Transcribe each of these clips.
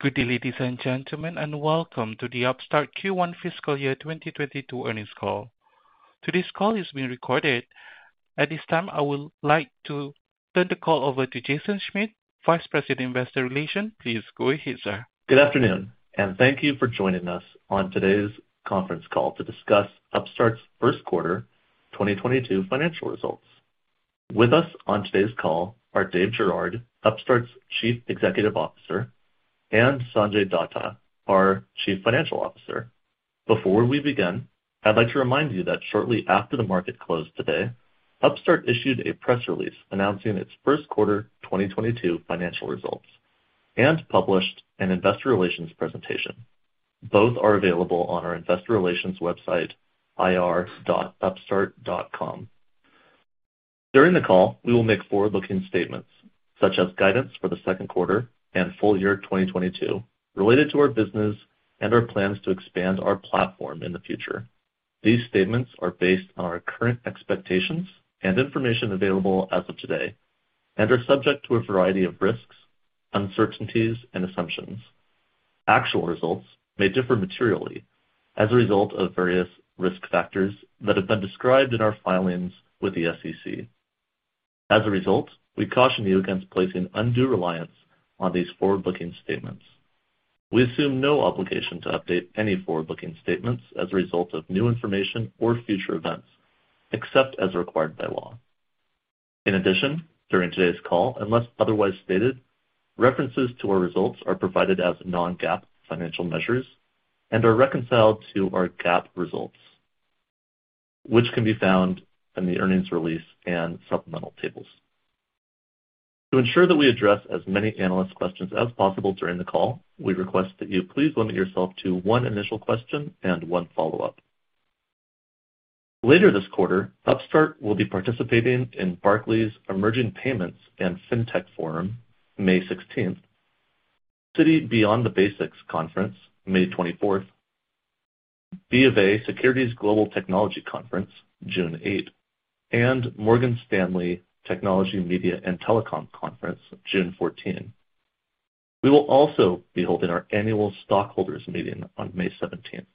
Good day, ladies and gentlemen, and welcome to the Upstart Q1 Fiscal Year 2022 earnings call. Today's call is being recorded. At this time, I would like to turn the call over to Jason Schmidt, Vice President, Investor Relations. Please go ahead, sir. Good afternoon, and thank you for joining us on today's conference call to discuss Upstart's Q1 2022 financial results. With us on today's call are Dave Girouard, Upstart's Chief Executive Officer, and Sanjay Datta, our Chief Financial Officer. Before we begin, I'd like to remind you that shortly after the market closed today, Upstart issued a press release announcing its Q1 2022 financial results and published an investor relations presentation. Both are available on our investor relations website, ir.upstart.com. During the call, we will make forward-looking statements, such as guidance for the Q2 and full year 2022 related to our business and our plans to expand our platform in the future. These statements are based on our current expectations and information available as of today and are subject to a variety of risks, uncertainties, and assumptions. Actual results may differ materially as a result of various risk factors that have been described in our filings with the SEC. As a result, we caution you against placing undue reliance on these forward-looking statements. We assume no obligation to update any forward-looking statements as a result of new information or future events, except as required by law. In addition, during today's call, unless otherwise stated, references to our results are provided as non-GAAP financial measures and are reconciled to our GAAP results, which can be found in the earnings release and supplemental tables. To ensure that we address as many analyst questions as possible during the call, we request that you please limit yourself to one initial question and one follow-up. Later this quarter, Upstart will be participating in Barclays Emerging Payments and Fintech Forum, May 16, Citi Beyond the Basics Conference, May 24, BofA Securities Global Technology Conference, June 8, and Morgan Stanley Technology, Media and Telecom Conference, June 14. We will also be holding our annual stockholders' meeting on May 17.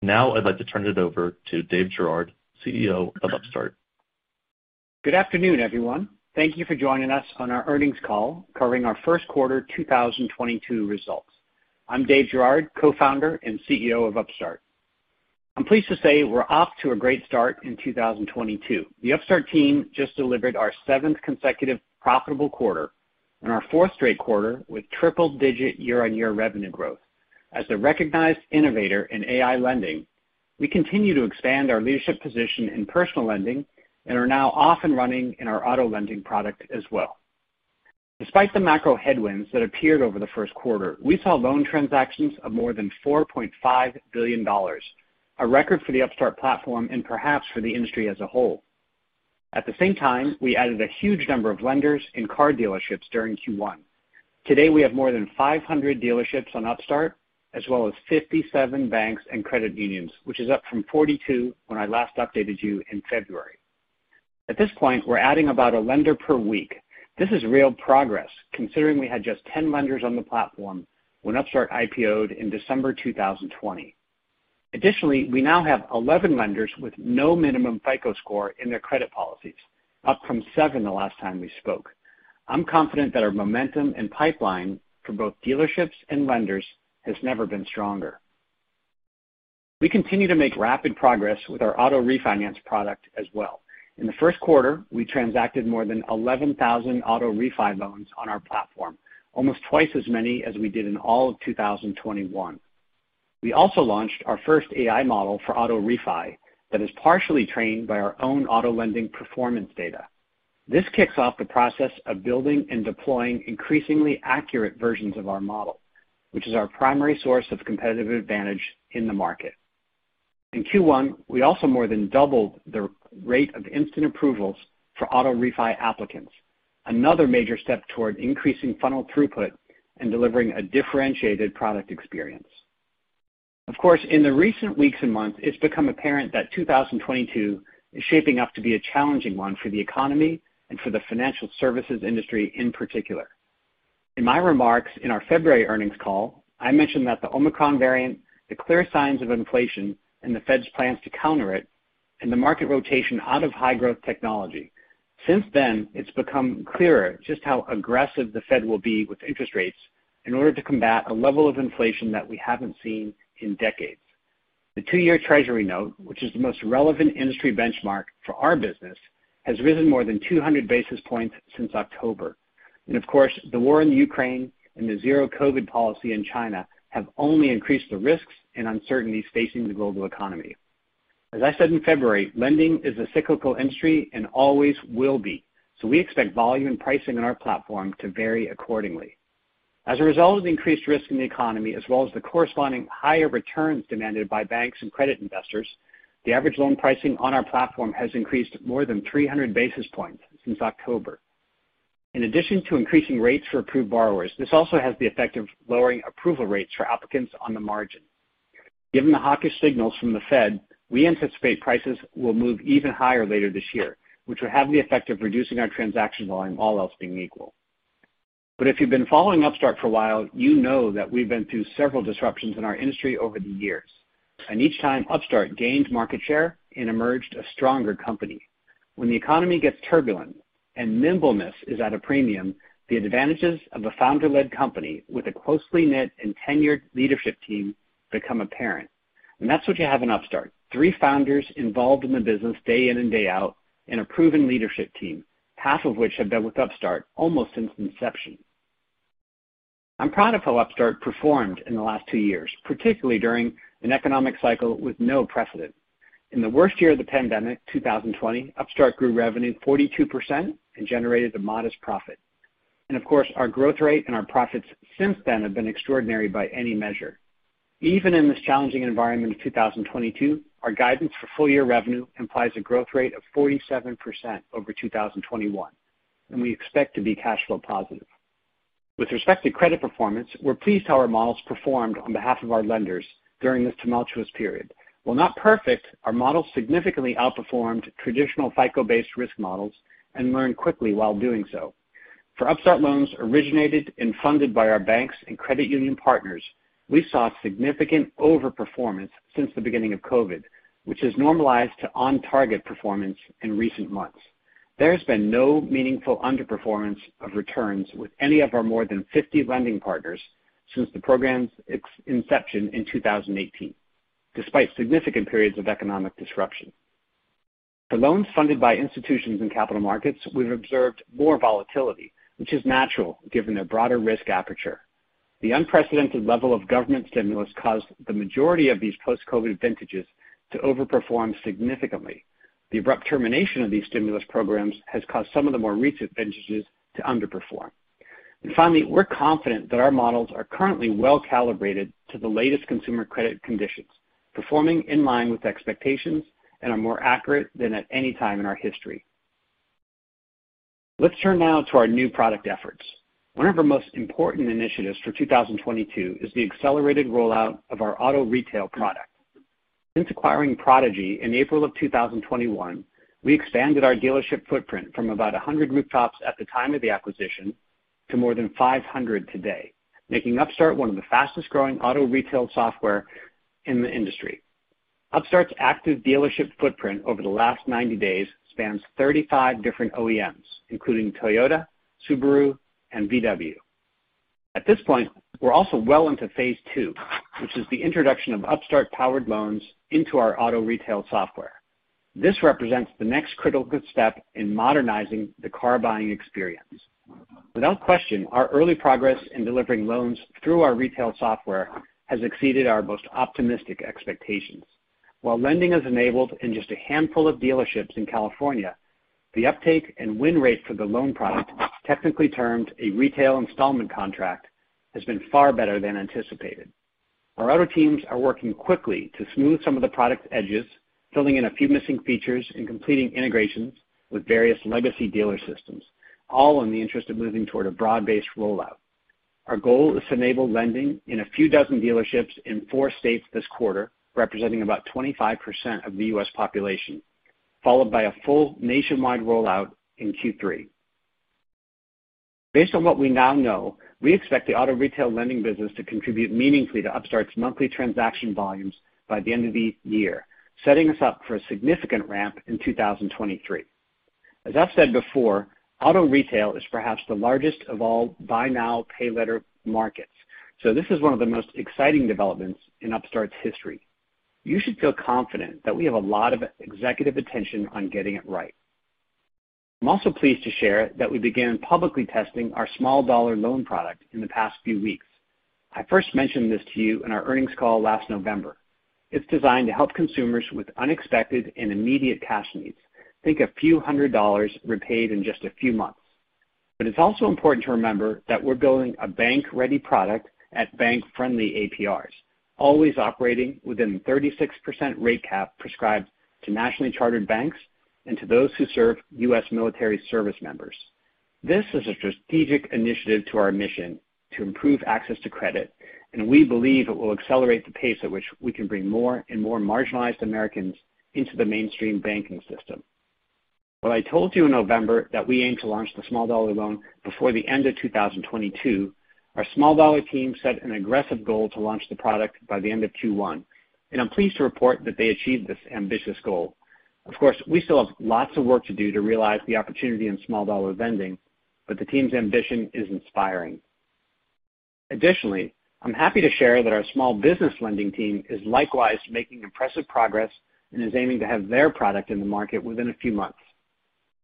Now I'd like to turn it over to Dave Girouard, CEO of Upstart. Good afternoon, everyone. Thank you for joining us on our earnings call covering our first quarter 2022 results. I'm Dave Girouard, co-founder and CEO of Upstart. I'm pleased to say we're off to a great start in 2022. The Upstart team just delivered our seventh consecutive profitable quarter and our fourth straight quarter with triple digit year-over-year revenue growth. As a recognized innovator in AI lending, we continue to expand our leadership position in personal lending and are now off and running in our auto lending product as well. Despite the macro headwinds that appeared over the first quarter, we saw loan transactions of more than $4.5 billion, a record for the Upstart platform and perhaps for the industry as a whole. At the same time, we added a huge number of lenders and car dealerships during Q1. Today, we have more than 500 dealerships on Upstart, as well as 57 banks and credit unions, which is up from 42 when I last updated you in February. At this point, we're adding about a lender per week. This is real progress considering we had just 10 lenders on the platform when Upstart IPO'd in December 2020. Additionally, we now have 11 lenders with no minimum FICO score in their credit policies, up from 7 the last time we spoke. I'm confident that our momentum and pipeline for both dealerships and lenders has never been stronger. We continue to make rapid progress with our auto refinance product as well. In the first quarter, we transacted more than 11,000 auto refi loans on our platform, almost twice as many as we did in all of 2021. We also launched our first AI model for auto refi that is partially trained by our own auto lending performance data. This kicks off the process of building and deploying increasingly accurate versions of our model, which is our primary source of competitive advantage in the market. In Q1, we also more than doubled the rate of instant approvals for auto refi applicants, another major step toward increasing funnel throughput and delivering a differentiated product experience. Of course, in the recent weeks and months, it's become apparent that 2022 is shaping up to be a challenging one for the economy and for the financial services industry in particular. In my remarks in our February earnings call, I mentioned that the Omicron variant, the clear signs of inflation and the Fed's plans to counter it, and the market rotation out of high growth technology. Since then, it's become clearer just how aggressive the Fed will be with interest rates in order to combat a level of inflation that we haven't seen in decades. The two-year treasury note, which is the most relevant industry benchmark for our business, has risen more than 200 basis points since October. Of course, the war in the Ukraine and the zero COVID policy in China have only increased the risks and uncertainties facing the global economy. As I said in February, lending is a cyclical industry and always will be. We expect volume and pricing on our platform to vary accordingly. As a result of the increased risk in the economy, as well as the corresponding higher returns demanded by banks and credit investors, the average loan pricing on our platform has increased more than 300 basis points since October. In addition to increasing rates for approved borrowers, this also has the effect of lowering approval rates for applicants on the margin. Given the hawkish signals from the Fed, we anticipate prices will move even higher later this year, which will have the effect of reducing our transaction volume, all else being equal. If you've been following Upstart for a while, you know that we've been through several disruptions in our industry over the years, and each time Upstart gained market share and emerged a stronger company. When the economy gets turbulent and nimbleness is at a premium, the advantages of a founder-led company with a closely knit and tenured leadership team become apparent. That's what you have in Upstart. Three founders involved in the business day in and day out, and a proven leadership team, half of which have been with Upstart almost since inception. I'm proud of how Upstart performed in the last 2 years, particularly during an economic cycle with no precedent. In the worst year of the pandemic, 2020, Upstart grew revenue 42% and generated a modest profit. Of course, our growth rate and our profits since then have been extraordinary by any measure. Even in this challenging environment of 2022, our guidance for full year revenue implies a growth rate of 47% over 2021, and we expect to be cash flow positive. With respect to credit performance, we're pleased how our models performed on behalf of our lenders during this tumultuous period. While not perfect, our models significantly outperformed traditional FICO-based risk models and learned quickly while doing so. For Upstart loans originated and funded by our banks and credit union partners, we saw significant overperformance since the beginning of COVID, which has normalized to on target performance in recent months. There has been no meaningful underperformance of returns with any of our more than 50 lending partners since the program's ex-inception in 2018, despite significant periods of economic disruption. For loans funded by institutions and capital markets, we've observed more volatility, which is natural given their broader risk aperture. The unprecedented level of government stimulus caused the majority of these post-COVID vintages to overperform significantly. The abrupt termination of these stimulus programs has caused some of the more recent vintages to underperform. We're confident that our models are currently well-calibrated to the latest consumer credit conditions, performing in line with expectations and are more accurate than at any time in our history. Let's turn now to our new product efforts. One of our most important initiatives for 2022 is the accelerated rollout of our auto retail product. Since acquiring Prodigy in April 2021, we expanded our dealership footprint from about 100 rooftops at the time of the acquisition to more than 500 today, making Upstart one of the fastest growing auto retail software in the industry. Upstart's active dealership footprint over the last 90 days spans 35 different OEMs, including Toyota, Subaru, and VW. At this point, we're also well into phase two, which is the introduction of Upstart-powered loans into our auto retail software. This represents the next critical step in modernizing the car buying experience. Without question, our early progress in delivering loans through our retail software has exceeded our most optimistic expectations. While lending is enabled in just a handful of dealerships in California, the uptake and win rate for the loan product, technically termed a retail installment contract, has been far better than anticipated. Our auto teams are working quickly to smooth some of the product's edges, filling in a few missing features, and completing integrations with various legacy dealer systems, all in the interest of moving toward a broad-based rollout. Our goal is to enable lending in a few dozen dealerships in four states this quarter, representing about 25% of the U.S. population, followed by a full nationwide rollout in Q3. Based on what we now know, we expect the auto retail lending business to contribute meaningfully to Upstart's monthly transaction volumes by the end of the year, setting us up for a significant ramp in 2023. As I've said before, auto retail is perhaps the largest of all buy now, pay later markets, so this is one of the most exciting developments in Upstart's history. You should feel confident that we have a lot of executive attention on getting it right. I'm also pleased to share that we began publicly testing our small dollar loan product in the past few weeks. I first mentioned this to you in our earnings call last November. It's designed to help consumers with unexpected and immediate cash needs. Think a few hundred dollars repaid in just a few months. But it's also important to remember that we're building a bank-ready product at bank-friendly APRs, always operating within the 36% rate cap prescribed to nationally chartered banks and to those who serve U.S. military service members. This is a strategic initiative to our mission to improve access to credit, and we believe it will accelerate the pace at which we can bring more and more marginalized Americans into the mainstream banking system. When I told you in November that we aim to launch the small dollar loan before the end of 2022, our small dollar team set an aggressive goal to launch the product by the end of Q1, and I'm pleased to report that they achieved this ambitious goal. Of course, we still have lots of work to do to realize the opportunity in small dollar lending, but the team's ambition is inspiring. Additionally, I'm happy to share that our small business lending team is likewise making impressive progress and is aiming to have their product in the market within a few months.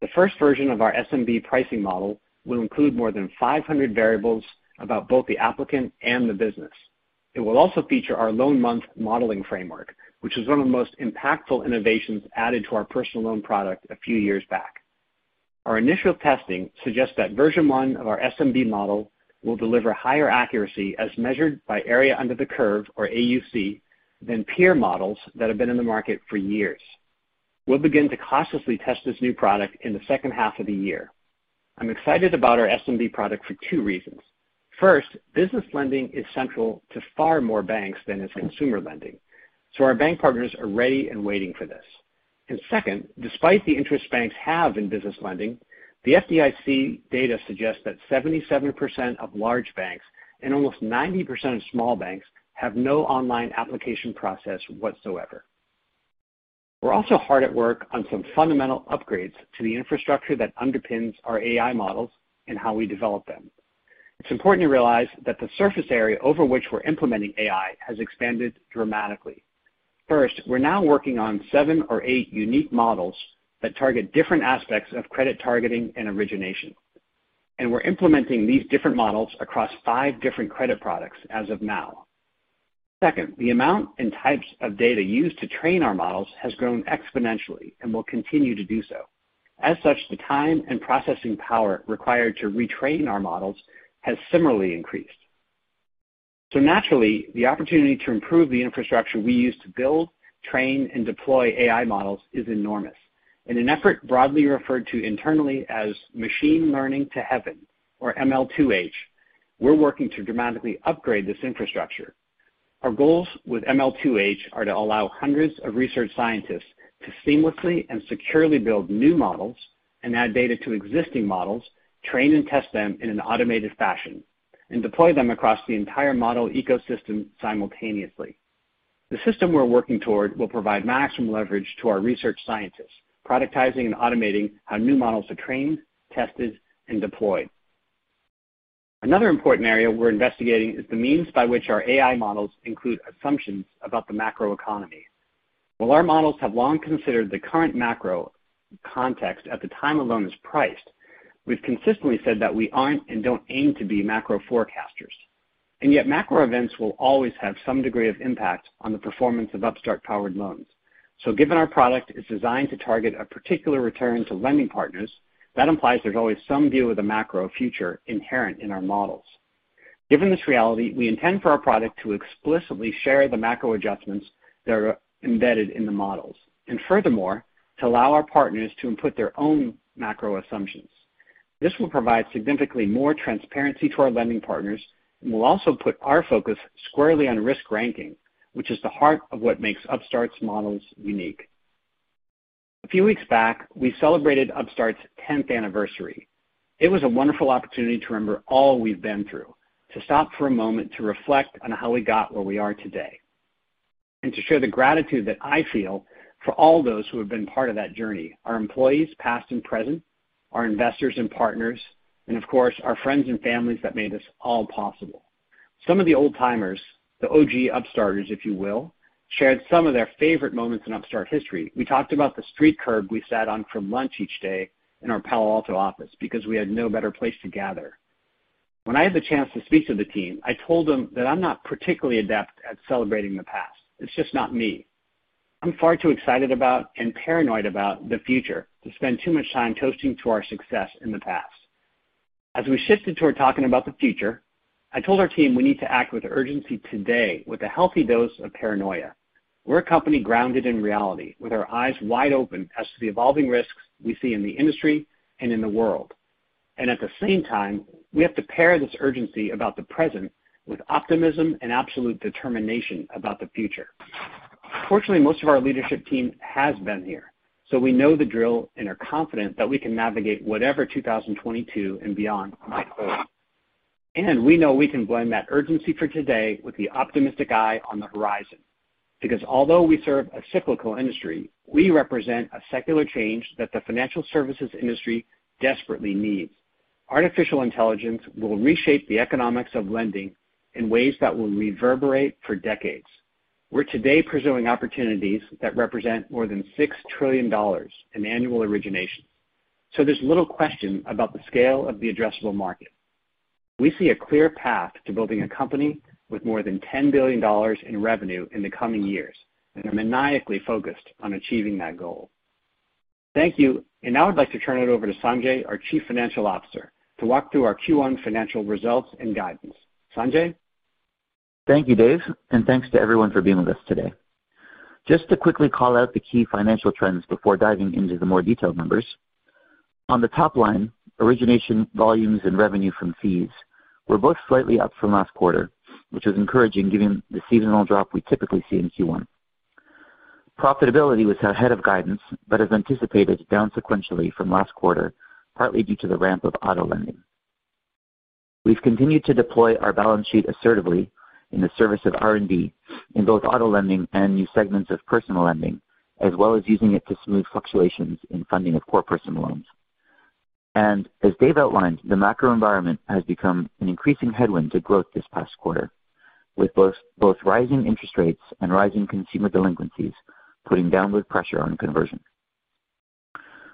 The first version of our SMB pricing model will include more than 500 variables about both the applicant and the business. It will also feature our loan month modeling framework, which is one of the most impactful innovations added to our personal loan product a few years back. Our initial testing suggests that version 1 of our SMB model will deliver higher accuracy as measured by area under the curve, or AUC, than peer models that have been in the market for years. We'll begin to cautiously test this new product in the second half of the year. I'm excited about our SMB product for 2 reasons. First, business lending is central to far more banks than is consumer lending, so our bank partners are ready and waiting for this. Second, despite the interest banks have in business lending, the FDIC data suggests that 77% of large banks and almost 90% of small banks have no online application process whatsoever. We're also hard at work on some fundamental upgrades to the infrastructure that underpins our AI models and how we develop them. It's important to realize that the surface area over which we're implementing AI has expanded dramatically. First, we're now working on 7 or 8 unique models that target different aspects of credit targeting and origination, and we're implementing these different models across 5 different credit products as of now. Second, the amount and types of data used to train our models has grown exponentially and will continue to do so. As such, the time and processing power required to retrain our models has similarly increased. Naturally, the opportunity to improve the infrastructure we use to build, train, and deploy AI models is enormous. In an effort broadly referred to internally as Machine Learning to Heaven, or ML2H, we're working to dramatically upgrade this infrastructure. Our goals with ML2H are to allow hundreds of research scientists to seamlessly and securely build new models and add data to existing models, train and test them in an automated fashion, and deploy them across the entire model ecosystem simultaneously. The system we're working toward will provide maximum leverage to our research scientists, productizing and automating how new models are trained, tested, and deployed. Another important area we're investigating is the means by which our AI models include assumptions about the macro economy. While our models have long considered the current macro context at the time a loan is priced, we've consistently said that we aren't and don't aim to be macro forecasters. Yet, macro events will always have some degree of impact on the performance of Upstart-powered loans. Given our product is designed to target a particular return to lending partners, that implies there's always some view of the macro future inherent in our models. Given this reality, we intend for our product to explicitly share the macro adjustments that are embedded in the models, and furthermore, to allow our partners to input their own macro assumptions. This will provide significantly more transparency to our lending partners and will also put our focus squarely on risk ranking, which is the heart of what makes Upstart's models unique. A few weeks back, we celebrated Upstart's tenth anniversary. It was a wonderful opportunity to remember all we've been through, to stop for a moment to reflect on how we got where we are today, and to show the gratitude that I feel for all those who have been part of that journey, our employees, past and present, our investors and partners, and of course, our friends and families that made this all possible. Some of the old-timers, the OG Upstarters, if you will, shared some of their favorite moments in Upstart history. We talked about the street curb we sat on for lunch each day in our Palo Alto office because we had no better place to gather. When I had the chance to speak to the team, I told them that I'm not particularly adept at celebrating the past. It's just not me. I'm far too excited about and paranoid about the future to spend too much time toasting to our success in the past. As we shifted toward talking about the future, I told our team we need to act with urgency today with a healthy dose of paranoia. We're a company grounded in reality with our eyes wide open as to the evolving risks we see in the industry and in the world. At the same time, we have to pair this urgency about the present with optimism and absolute determination about the future. Fortunately, most of our leadership team has been here, so we know the drill and are confident that we can navigate whatever 2022 and beyond might hold. We know we can blend that urgency for today with the optimistic eye on the horizon. Because although we serve a cyclical industry, we represent a secular change that the financial services industry desperately needs. Artificial intelligence will reshape the economics of lending in ways that will reverberate for decades. We're today pursuing opportunities that represent more than $6 trillion in annual origination. There's little question about the scale of the addressable market. We see a clear path to building a company with more than $10 billion in revenue in the coming years, and are maniacally focused on achieving that goal. Thank you. Now I'd like to turn it over to Sanjay, our Chief Financial Officer, to walk through our Q1 financial results and guidance. Sanjay? Thank you, Dave, and thanks to everyone for being with us today. Just to quickly call out the key financial trends before diving into the more detailed numbers. On the top line, origination volumes and revenue from fees were both slightly up from last quarter, which was encouraging given the seasonal drop we typically see in Q1. Profitability was ahead of guidance, but as anticipated, down sequentially from last quarter, partly due to the ramp of auto lending. We've continued to deploy our balance sheet assertively in the service of R&D in both auto lending and new segments of personal lending, as well as using it to smooth fluctuations in funding of core personal loans. As Dave outlined, the macro environment has become an increasing headwind to growth this past quarter, with both rising interest rates and rising consumer delinquencies putting downward pressure on conversion.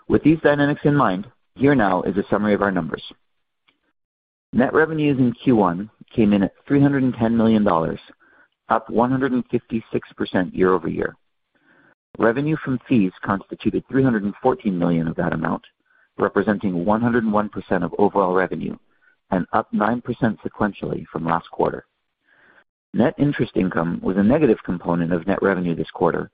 With these dynamics in mind, here now is a summary of our numbers. Net revenues in Q1 came in at $310 million, up 156% year-over-year. Revenue from fees constituted $314 million of that amount, representing 101% of overall revenue and up 9% sequentially from last quarter. Net interest income was a negative component of net revenue this quarter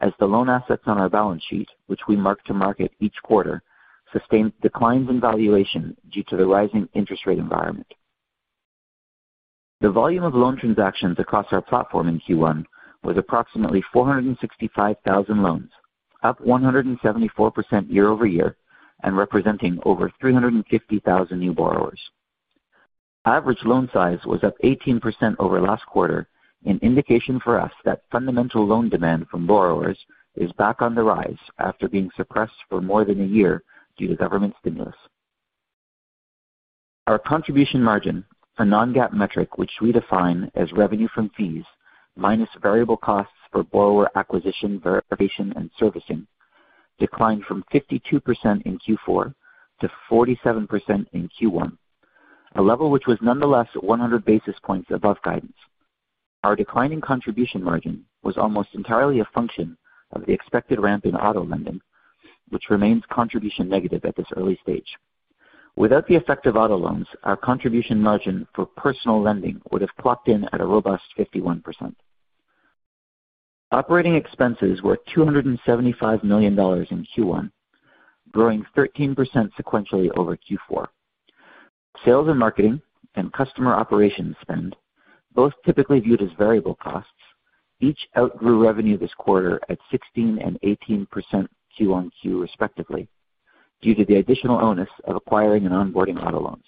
as the loan assets on our balance sheet, which we mark to market each quarter, sustained declines in valuation due to the rising interest rate environment. The volume of loan transactions across our platform in Q1 was approximately 465,000 loans, up 174% year-over-year and representing over 350,000 new borrowers. Average loan size was up 18% over last quarter, an indication for us that fundamental loan demand from borrowers is back on the rise after being suppressed for more than a year due to government stimulus. Our contribution margin, a non-GAAP metric which we define as revenue from fees minus variable costs for borrower acquisition, verification, and servicing, declined from 52% in Q4 to 47% in Q1, a level which was nonetheless 100 basis points above guidance. Our declining contribution margin was almost entirely a function of the expected ramp in auto lending, which remains contribution negative at this early stage. Without the effect of auto loans, our contribution margin for personal lending would have clocked in at a robust 51%. Operating expenses were $275 million in Q1, growing 13% sequentially over Q4. Sales and marketing and customer operations spend, both typically viewed as variable costs, each outgrew revenue this quarter at 16% and 18% QoQ respectively, due to the additional onus of acquiring and onboarding auto loans.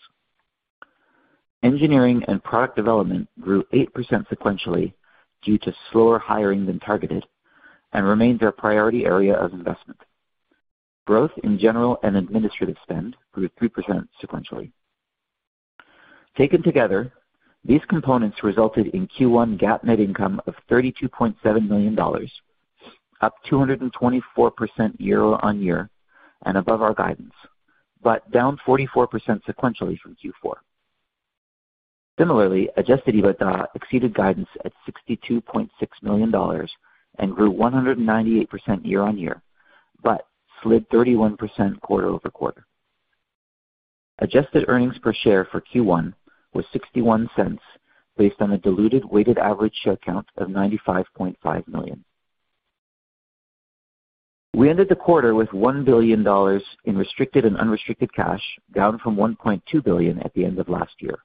Engineering and product development grew 8% sequentially due to slower hiring than targeted and remains our priority area of investment. Growth in general and administrative spend grew 3% sequentially. Taken together, these components resulted in Q1 GAAP net income of $32.7 million, up 224% year-over-year and above our guidance, but down 44% sequentially from Q4. Similarly, Adjusted EBITDA exceeded guidance at $62.6 million and grew 198% year-over-year, but slid 31% quarter-over-quarter. Adjusted earnings per share for Q1 was $0.61 based on a diluted weighted average share count of 95.5 million. We ended the quarter with $1 billion in restricted and unrestricted cash, down from $1.2 billion at the end of last year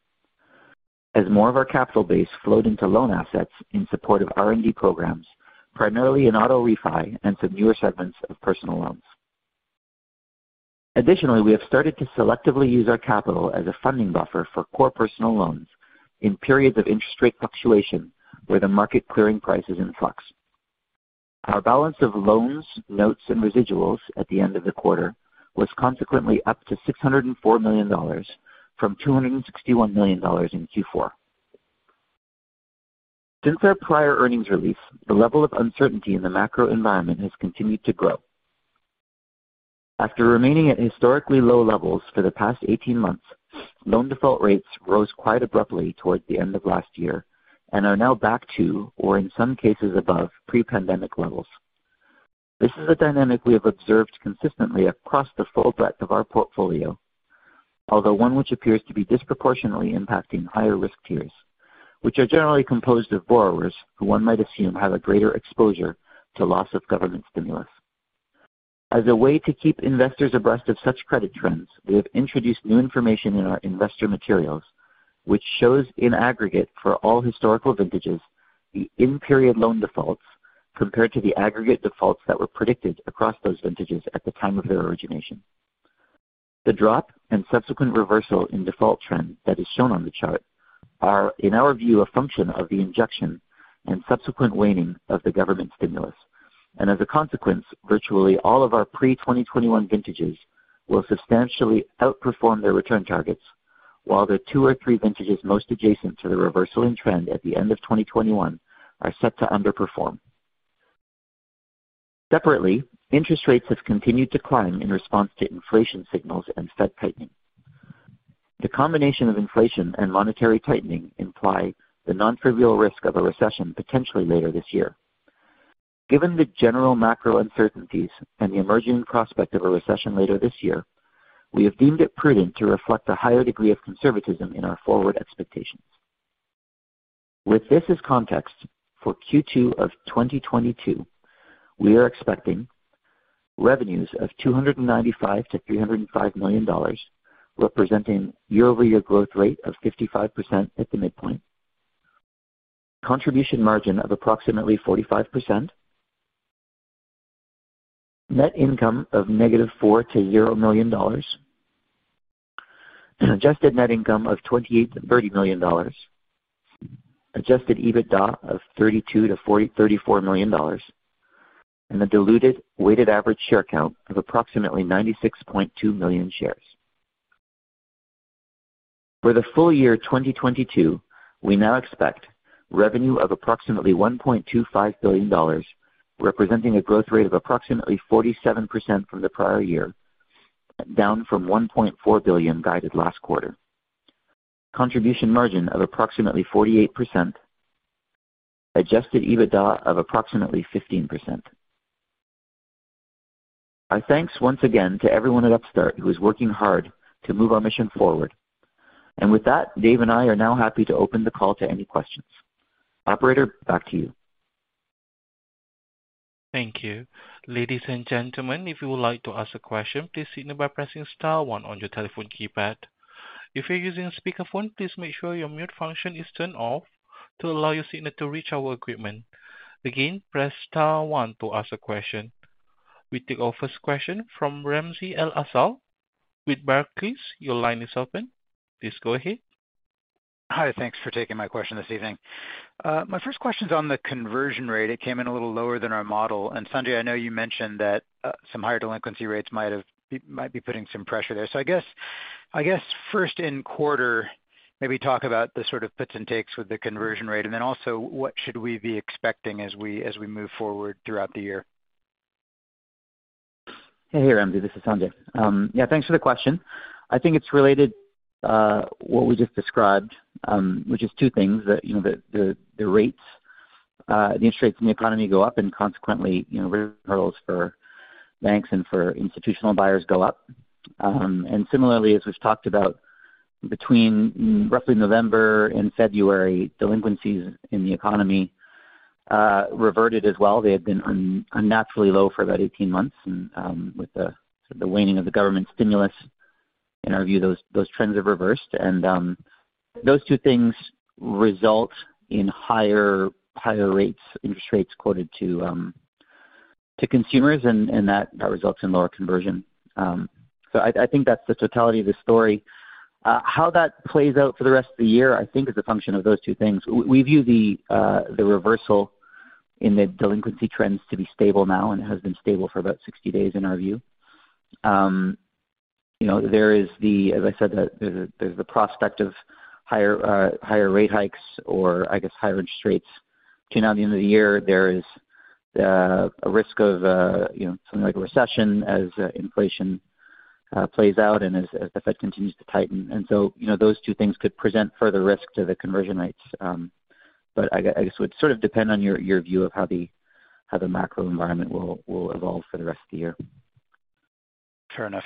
as more of our capital base flowed into loan assets in support of R&D programs, primarily in auto refi and some newer segments of personal loans. Additionally, we have started to selectively use our capital as a funding buffer for core personal loans in periods of interest rate fluctuation where the market clearing price is in flux. Our balance of loans, notes, and residuals at the end of the quarter was consequently up to $604 million from $261 million in Q4. Since our prior earnings release, the level of uncertainty in the macro environment has continued to grow. After remaining at historically low levels for the past eighteen months, loan default rates rose quite abruptly towards the end of last year and are now back to, or in some cases above pre-pandemic levels. This is a dynamic we have observed consistently across the full breadth of our portfolio, although one which appears to be disproportionately impacting higher risk tiers, which are generally composed of borrowers who one might assume have a greater exposure to loss of government stimulus. As a way to keep investors abreast of such credit trends, we have introduced new information in our investor materials which shows, in aggregate for all historical vintages, the in-period loan defaults compared to the aggregate defaults that were predicted across those vintages at the time of their origination. The drop and subsequent reversal in default trend that is shown on the chart are, in our view, a function of the injection and subsequent waning of the government stimulus. As a consequence, virtually all of our pre-2021 vintages will substantially outperform their return targets, while the 2 or 3 vintages most adjacent to the reversal in trend at the end of 2021 are set to underperform. Separately, interest rates have continued to climb in response to inflation signals and Fed tightening. The combination of inflation and monetary tightening imply the non-trivial risk of a recession potentially later this year. Given the general macro uncertainties and the emerging prospect of a recession later this year, we have deemed it prudent to reflect a higher degree of conservatism in our forward expectations. With this as context, for Q2 of 2022, we are expecting revenues of $295 million-$305 million, representing year-over-year growth rate of 55% at the midpoint. Contribution margin of approximately 45%. Net income of -$4 million to $0. Adjusted net income of $28 million-$30 million. Adjusted EBITDA of $34 million. A diluted weighted average share count of approximately 96.2 million shares. For the full year 2022, we now expect revenue of approximately $1.25 billion, representing a growth rate of approximately 47% from the prior year, down from $1.4 billion guided last quarter. Contribution margin of approximately 48%. Adjusted EBITDA of approximately 15%. Our thanks once again to everyone at Upstart who is working hard to move our mission forward. With that, Dave and I are now happy to open the call to any questions. Operator, back to you. Thank you. Ladies and gentlemen, if you would like to ask a question, please signal by pressing star one on your telephone keypad. If you're using a speakerphone, please make sure your mute function is turned off to allow your signal to reach our equipment. Again, press star one to ask a question. We take our first question from Ramsey El-Assal with Barclays. Your line is open. Please go ahead. Hi. Thanks for taking my question this evening. My first question is on the conversion rate. It came in a little lower than our model. Sanjay, I know you mentioned that, some higher delinquency rates might be putting some pressure there. I guess first in quarter, maybe talk about the sort of puts and takes with the conversion rate, and then also what should we be expecting as we move forward throughout the year? Hey, Ramsey El-Assal, this is Sanjay Datta. Yeah, thanks for the question. I think it's related to what we just described, which is two things that the interest rates in the economy go up and consequently risk hurdles for banks and for institutional buyers go up. Similarly, as we've talked about between roughly November and February, delinquencies in the economy reverted as well. They had been unnaturally low for about 18 months. With the waning of the government stimulus, in our view, those trends have reversed. Those two things result in higher interest rates quoted to consumers, and that results in lower conversion. I think that's the totality of the story. How that plays out for the rest of the year, I think is a function of those two things. We view the reversal in the delinquency trends to be stable now and has been stable for about 60 days in our view. You know, as I said, there's the prospect of higher rate hikes or I guess higher interest rates. You know, at the end of the year there is a risk of you know, something like a recession as inflation plays out and as the Fed continues to tighten. You know, those two things could present further risk to the conversion rates. I guess it would sort of depend on your view of how the macro environment will evolve for the rest of the year. Fair enough.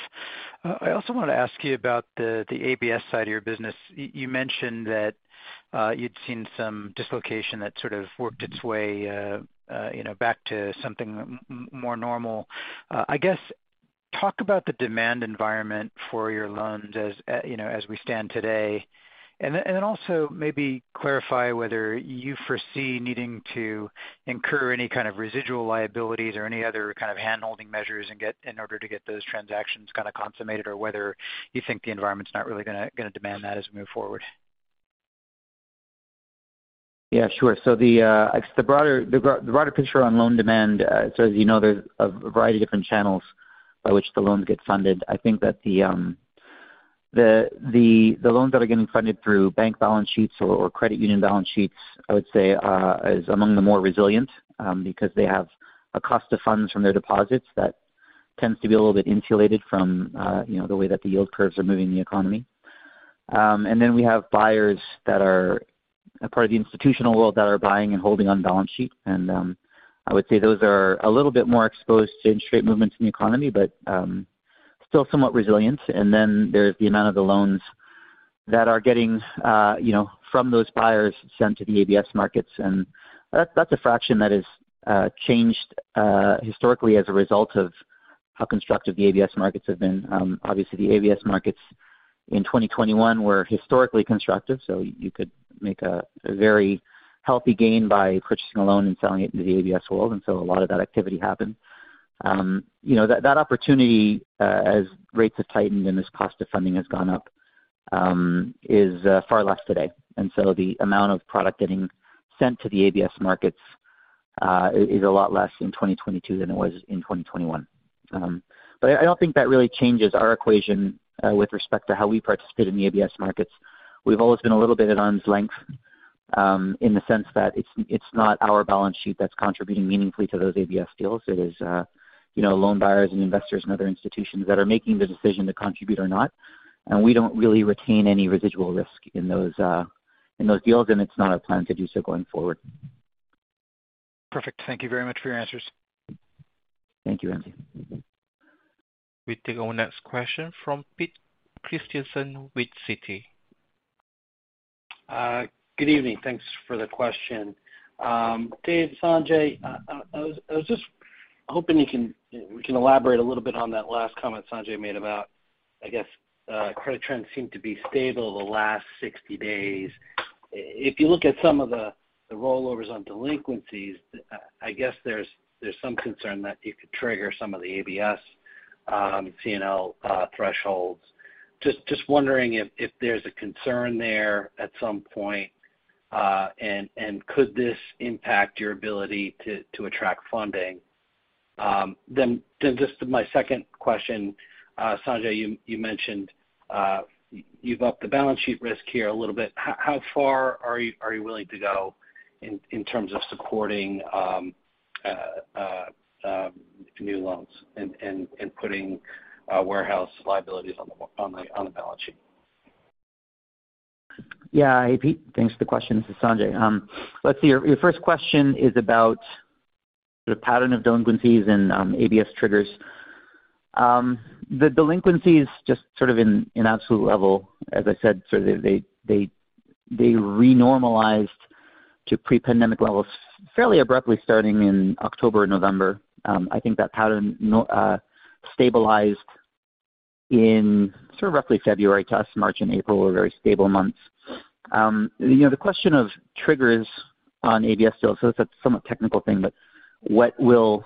I also wanna ask you about the ABS side of your business. You mentioned that you'd seen some dislocation that sort of worked its way, you know, back to something more normal. I guess talk about the demand environment for your loans as, you know, as we stand today. Then also maybe clarify whether you foresee needing to incur any kind of residual liabilities or any other kind of handholding measures in order to get those transactions kinda consummated or whether you think the environment's not really gonna demand that as we move forward. Yeah, sure. I guess the broader picture on loan demand, so as you know, there's a variety of different channels by which the loans get funded. I think that the loans that are getting funded through bank balance sheets or credit union balance sheets, I would say, is among the more resilient, because they have a cost of funds from their deposits that tends to be a little bit insulated from, you know, the way that the yield curves are moving the economy. We have buyers that are a part of the institutional world that are buying and holding on balance sheet. I would say those are a little bit more exposed to interest rate movements in the economy, but still somewhat resilient. Then there's the amount of the loans that are getting, you know, from those buyers sent to the ABS markets. That's a fraction that has changed historically as a result of how constructive the ABS markets have been. Obviously the ABS markets in 2021 were historically constructive, so you could make a very healthy gain by purchasing a loan and selling it into the ABS world. A lot of that activity happened. You know, that opportunity as rates have tightened and as cost of funding has gone up is far less today. The amount of product getting sent to the ABS markets is a lot less in 2022 than it was in 2021. I don't think that really changes our equation with respect to how we participate in the ABS markets. We've always been a little bit at arm's length in the sense that it's not our balance sheet that's contributing meaningfully to those ABS deals. It is you know, loan buyers and investors and other institutions that are making the decision to contribute or not. We don't really retain any residual risk in those deals, and it's not our plan to do so going forward. Perfect. Thank you very much for your answers. Thank you, Ramsey. We take our next question from Pete Christiansen with Citi. Good evening. Thanks for the question. Dave, Sanjay, I was just hoping you can elaborate a little bit on that last comment Sanjay made about, I guess, credit trends seem to be stable the last 60 days. If you look at some of the rollovers on delinquencies, I guess there's some concern that you could trigger some of the ABS, CNL thresholds. Just wondering if there's a concern there at some point, and could this impact your ability to attract funding? Then just my second question, Sanjay, you mentioned you've upped the balance sheet risk here a little bit. How far are you willing to go in terms of supporting new loans and putting warehouse liabilities on the balance sheet? Yeah. Hey, Pete, thanks for the question. This is Sanjay. Let's see. Your first question is about the pattern of delinquencies and ABS triggers. The delinquencies just sort of in absolute level, as I said, sort of they renormalized to pre-pandemic levels fairly abruptly starting in October, November. I think that pattern stabilized in sort of roughly February through March and April were very stable months. You know, the question of triggers on ABS deals, so it's a somewhat technical thing, but what will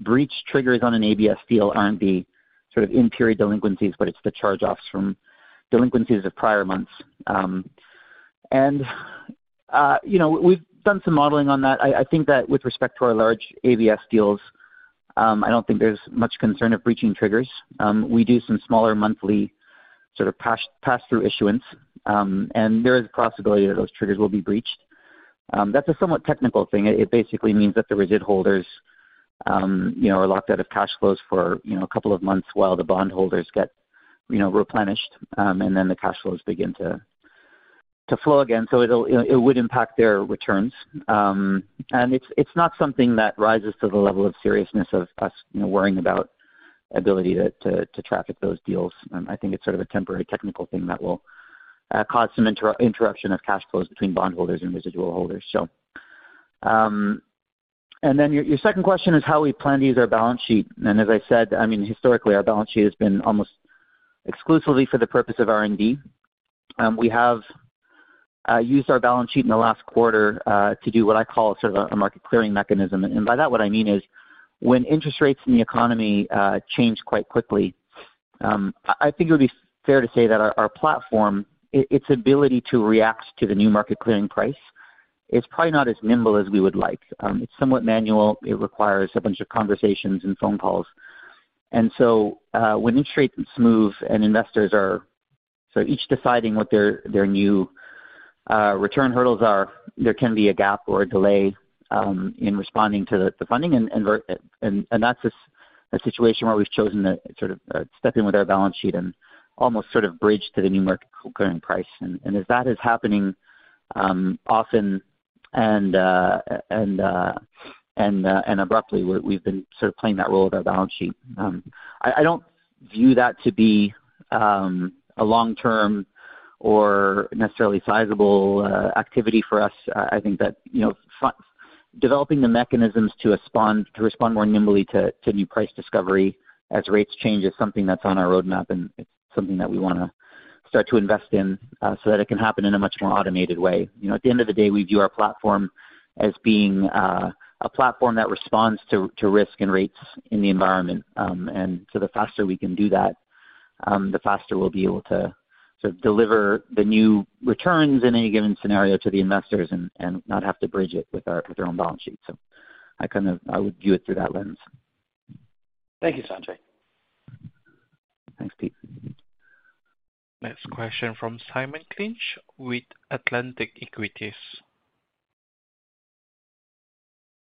breach triggers on an ABS deal aren't the sort of in-period delinquencies, but it's the charge-offs from delinquencies of prior months. You know, we've done some modeling on that. I think that with respect to our large ABS deals, I don't think there's much concern of breaching triggers. We do some smaller monthly sort of pass-through issuance, and there is a possibility that those triggers will be breached. That's a somewhat technical thing. It basically means that the residual holders, you know, are locked out of cash flows for, you know, a couple of months while the bondholders get, you know, replenished, and then the cash flows begin to flow again. It would impact their returns. It's not something that rises to the level of seriousness of us, you know, worrying about ability to transact those deals. I think it's sort of a temporary technical thing that will cause some interruption of cash flows between bondholders and residual holders. Then your second question is how we plan to use our balance sheet. As I said, I mean, historically, our balance sheet has been almost exclusively for the purpose of R&D. We have used our balance sheet in the last quarter to do what I call sort of a market clearing mechanism. By that what I mean is when interest rates in the economy change quite quickly, I think it would be fair to say that our platform, its ability to react to the new market clearing price is probably not as nimble as we would like. It's somewhat manual. It requires a bunch of conversations and phone calls. When interest rates move and investors are sort of each deciding what their new return hurdles are, there can be a gap or a delay in responding to the funding and that's a situation where we've chosen to sort of step in with our balance sheet and almost sort of bridge to the new market clearing price. As that is happening often and abruptly, we've been sort of playing that role with our balance sheet. I don't view that to be a long-term or necessarily sizable activity for us. I think that, you know, developing the mechanisms to respond more nimbly to new price discovery as rates change is something that's on our roadmap, and it's something that we wanna start to invest in, so that it can happen in a much more automated way. You know, at the end of the day, we view our platform as being a platform that responds to risk and rates in the environment. And so the faster we can do that, the faster we'll be able to sort of deliver the new returns in any given scenario to the investors and not have to bridge it with our own balance sheet. I would view it through that lens. Thank you, Sanjay. Thanks, Pete. Next question from Simon Clinch with Atlantic Equities.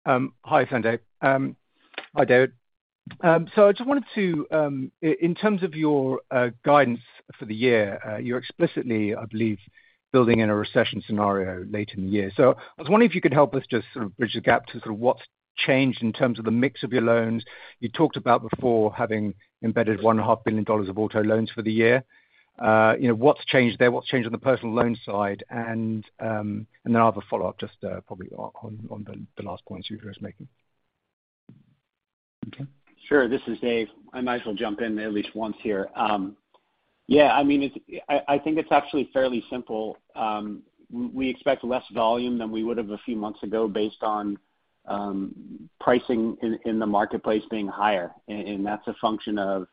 Hi, Sanjay. Hi, David. In terms of your guidance for the year, you're explicitly, I believe, building in a recession scenario later in the year. I was wondering if you could help us just sort of bridge the gap to sort of what's changed in terms of the mix of your loans. You talked about before having embedded $1.5 billion of auto loans for the year. You know, what's changed there? What's changed on the personal loan side? And then I have a follow-up just probably on the last point you were just making. Okay. Sure. This is Dave. I might as well jump in at least once here. Yeah, I mean, I think it's actually fairly simple. We expect less volume than we would have a few months ago based on pricing in the marketplace being higher. And that's a function of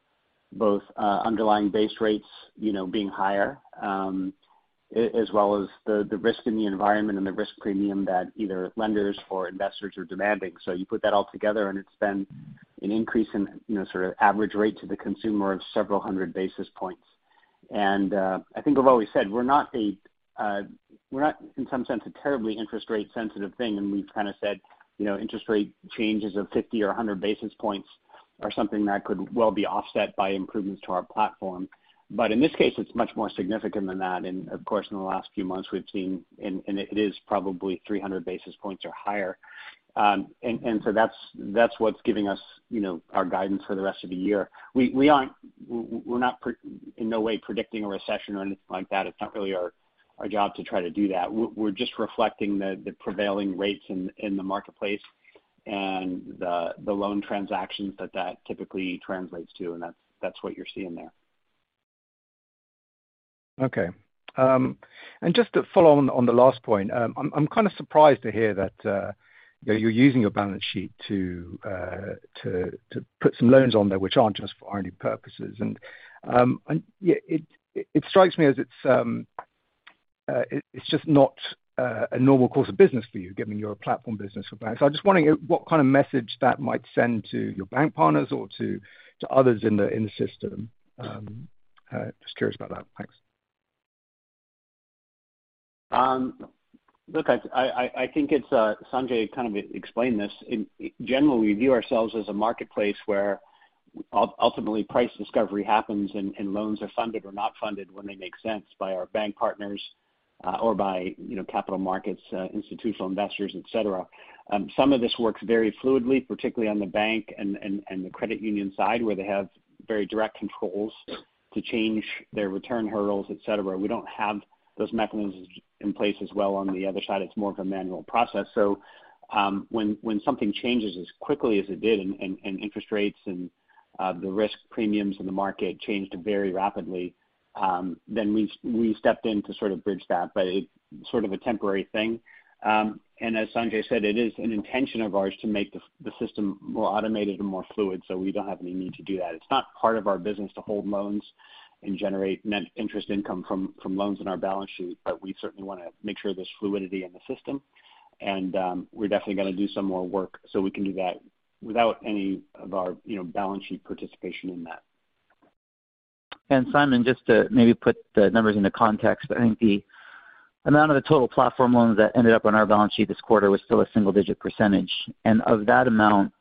both underlying base rates, you know, being higher, as well as the risk in the environment and the risk premium that either lenders or investors are demanding. You put that all together and it's been an increase in, you know, sort of average rate to the consumer of several hundred basis points. I think I've always said, we're not in some sense a terribly interest rate sensitive thing, and we've kind of said, you know, interest rate changes of 50 or 100 basis points are something that could well be offset by improvements to our platform. In this case, it's much more significant than that. Of course, in the last few months we've seen and it is probably 300 basis points or higher. That's what's giving us, you know, our guidance for the rest of the year. We're not in no way predicting a recession or anything like that. It's not really our job to try to do that. We're just reflecting the prevailing rates in the marketplace and the loan transactions that that typically translates to, and that's what you're seeing there. Okay. Just to follow on the last point, I'm kind of surprised to hear that, you know, you're using your balance sheet to put some loans on there which aren't just for R&D purposes. Yeah, it strikes me as it's just not a normal course of business for you given your platform business for banks. I was just wondering what kind of message that might send to your bank partners or to others in the system. Just curious about that. Thanks. Look, I think it's Sanjay kind of explained this. Generally, we view ourselves as a marketplace where ultimately price discovery happens and loans are funded or not funded when they make sense by our bank partners, or by, you know, capital markets, institutional investors, et cetera. Some of this works very fluidly, particularly on the bank and the credit union side, where they have very direct controls to change their return hurdles, et cetera. We don't have those mechanisms in place as well on the other side. It's more of a manual process. When something changes as quickly as it did and interest rates and the risk premiums in the market changed very rapidly, then we stepped in to sort of bridge that, but it's sort of a temporary thing. As Sanjay said, it is an intention of ours to make the system more automated and more fluid, so we don't have any need to do that. It's not part of our business to hold loans and generate net interest income from loans on our balance sheet, but we certainly wanna make sure there's fluidity in the system. We're definitely gonna do some more work so we can do that without any of our, you know, balance sheet participation in that. Simon, just to maybe put the numbers into context. I think the amount of the total platform loans that ended up on our balance sheet this quarter was still a single-digit percentage. Of that amount,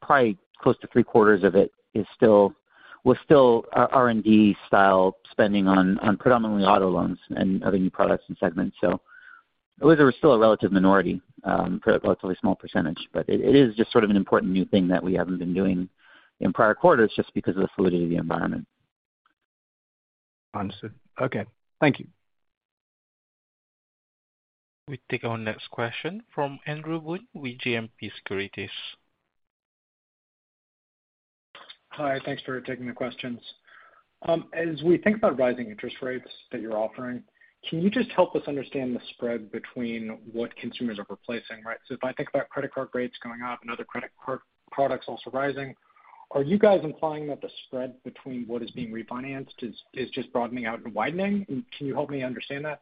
probably close to three quarters of it was still R&D style spending on predominantly auto loans and other new products and segments. It was still a relative minority, relatively small percentage. It is just sort of an important new thing that we haven't been doing in prior quarters just because of the fluidity of the environment. Understood. Okay. Thank you. We take our next question from Andrew Boone with JMP Securities. Hi, thanks for taking the questions. As we think about rising interest rates that you're offering, can you just help us understand the spread between what consumers are replacing, right? So if I think about credit card rates going up and other credit card products also rising, are you guys implying that the spread between what is being refinanced is just broadening out and widening? Can you help me understand that?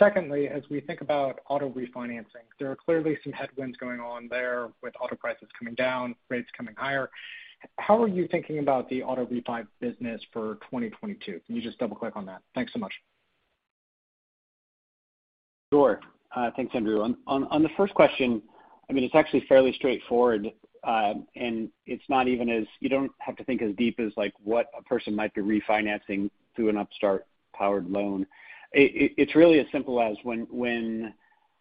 Secondly, as we think about auto refinancing, there are clearly some headwinds going on there with auto prices coming down, rates coming higher. How are you thinking about the auto refi business for 2022? Can you just double click on that? Thanks so much. Sure. Thanks, Andrew. On the first question, I mean, it's actually fairly straightforward, and it's not even. You don't have to think as deep as, like, what a person might be refinancing through an Upstart-powered loan. It's really as simple as when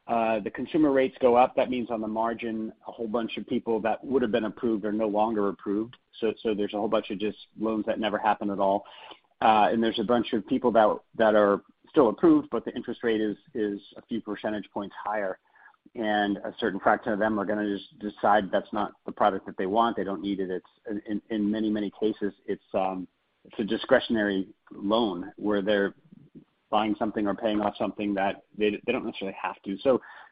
the consumer rates go up, that means on the margin, a whole bunch of people that would have been approved are no longer approved. So there's a whole bunch of just loans that never happen at all. And there's a bunch of people that are still approved, but the interest rate is a few percentage points higher, and a certain fraction of them are gonna just decide that's not the product that they want. They don't need it. It's in many cases, it's a discretionary loan where they're buying something or paying off something that they don't necessarily have to.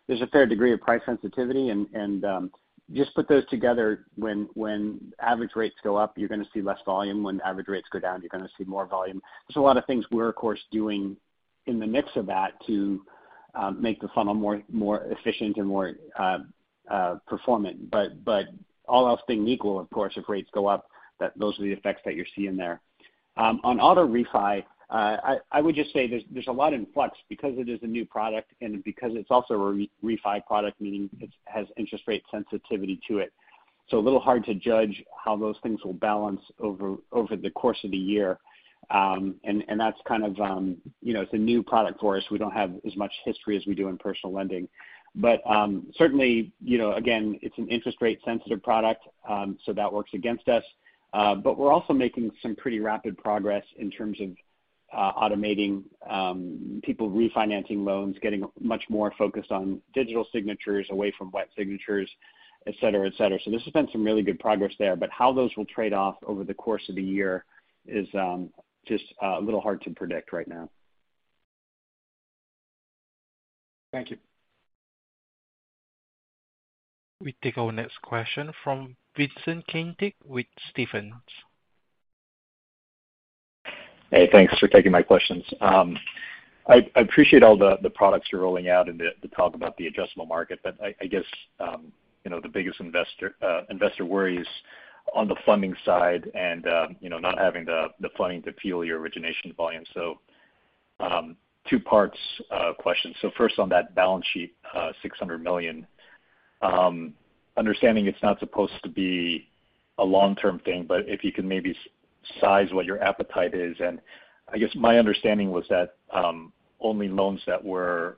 There's a fair degree of price sensitivity and just put those together. When average rates go up, you're gonna see less volume. When average rates go down, you're gonna see more volume. There's a lot of things we're of course doing in the midst of that to make the funnel more efficient and more performant. All else being equal, of course, if rates go up, those are the effects that you're seeing there. On auto refi, I would just say there's a lot in flux because it is a new product and because it's also a re-refi product, meaning it has interest rate sensitivity to it. A little hard to judge how those things will balance over the course of the year. That's kind of, you know, it's a new product for us. We don't have as much history as we do in personal lending. Certainly, you know, again, it's an interest rate sensitive product, so that works against us. We're also making some pretty rapid progress in terms of automating people refinancing loans, getting much more focused on digital signatures away from wet signatures, et cetera. There's been some really good progress there, but how those will trade off over the course of the year is just a little hard to predict right now. Thank you. We take our next question from Vincent Caintic with Stephens. Hey, thanks for taking my questions. I appreciate all the products you're rolling out and the talk about the adjustable market. I guess, you know, the biggest investor worry is on the funding side and, you know, not having the funding to fuel your origination volume. Two parts of questions. First on that balance sheet, $600 million. Understanding it's not supposed to be a long-term thing, but if you can maybe size what your appetite is. I guess my understanding was that only loans that were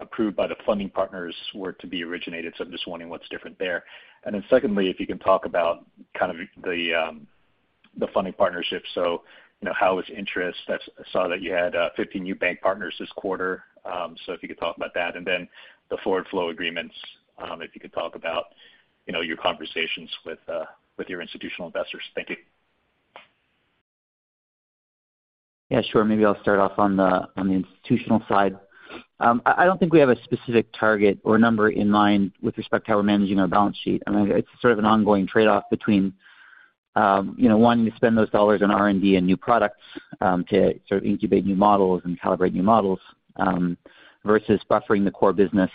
approved by the funding partners were to be originated. I'm just wondering what's different there. Then secondly, if you can talk about kind of the funding partnership. You know, how is interest? I saw that you had 50 new bank partners this quarter, so if you could talk about that. Then the forward flow agreements, if you could talk about, you know, your conversations with your institutional investors. Thank you. Yeah, sure. Maybe I'll start off on the institutional side. I don't think we have a specific target or number in mind with respect to how we're managing our balance sheet. I mean, it's sort of an ongoing trade-off between you know, wanting to spend those dollars on R&D and new products to sort of incubate new models and calibrate new models versus buffering the core business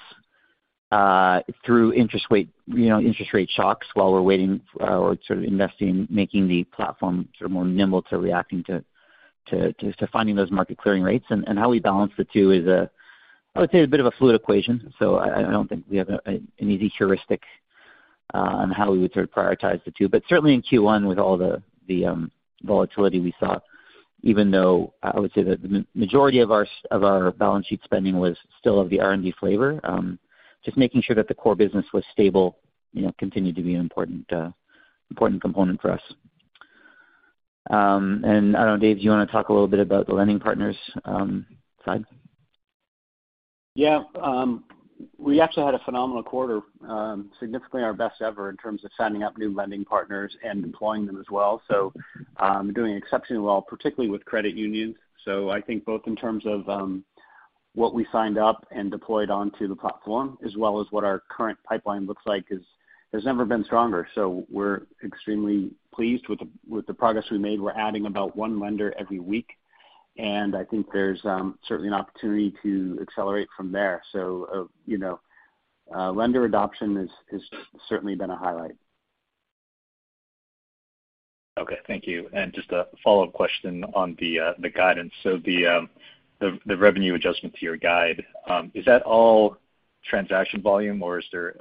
through interest rate you know, Interest rate shocks while we're waiting or sort of investing, making the platform sort of more nimble to reacting to finding those market clearing rates. How we balance the two is I would say a bit of a fluid equation. I don't think we have an easy heuristic on how we would sort of prioritize the two. Certainly in Q1 with all the volatility we saw, even though I would say that the majority of our balance sheet spending was still of the R&D flavor, just making sure that the core business was stable, you know, continued to be an important component for us. I don't know, Dave, do you wanna talk a little bit about the lending partners side? Yeah. We actually had a phenomenal quarter, significantly our best ever in terms of signing up new lending partners and deploying them as well. Doing exceptionally well, particularly with credit unions. I think both in terms of what we signed up and deployed onto the platform as well as what our current pipeline looks like has never been stronger. We're extremely pleased with the progress we made. We're adding about one lender every week, and I think there's certainly an opportunity to accelerate from there. You know, lender adoption has certainly been a highlight. Okay. Thank you. Just a follow-up question on the guidance. The revenue adjustment to your guide is that all transaction volume or is there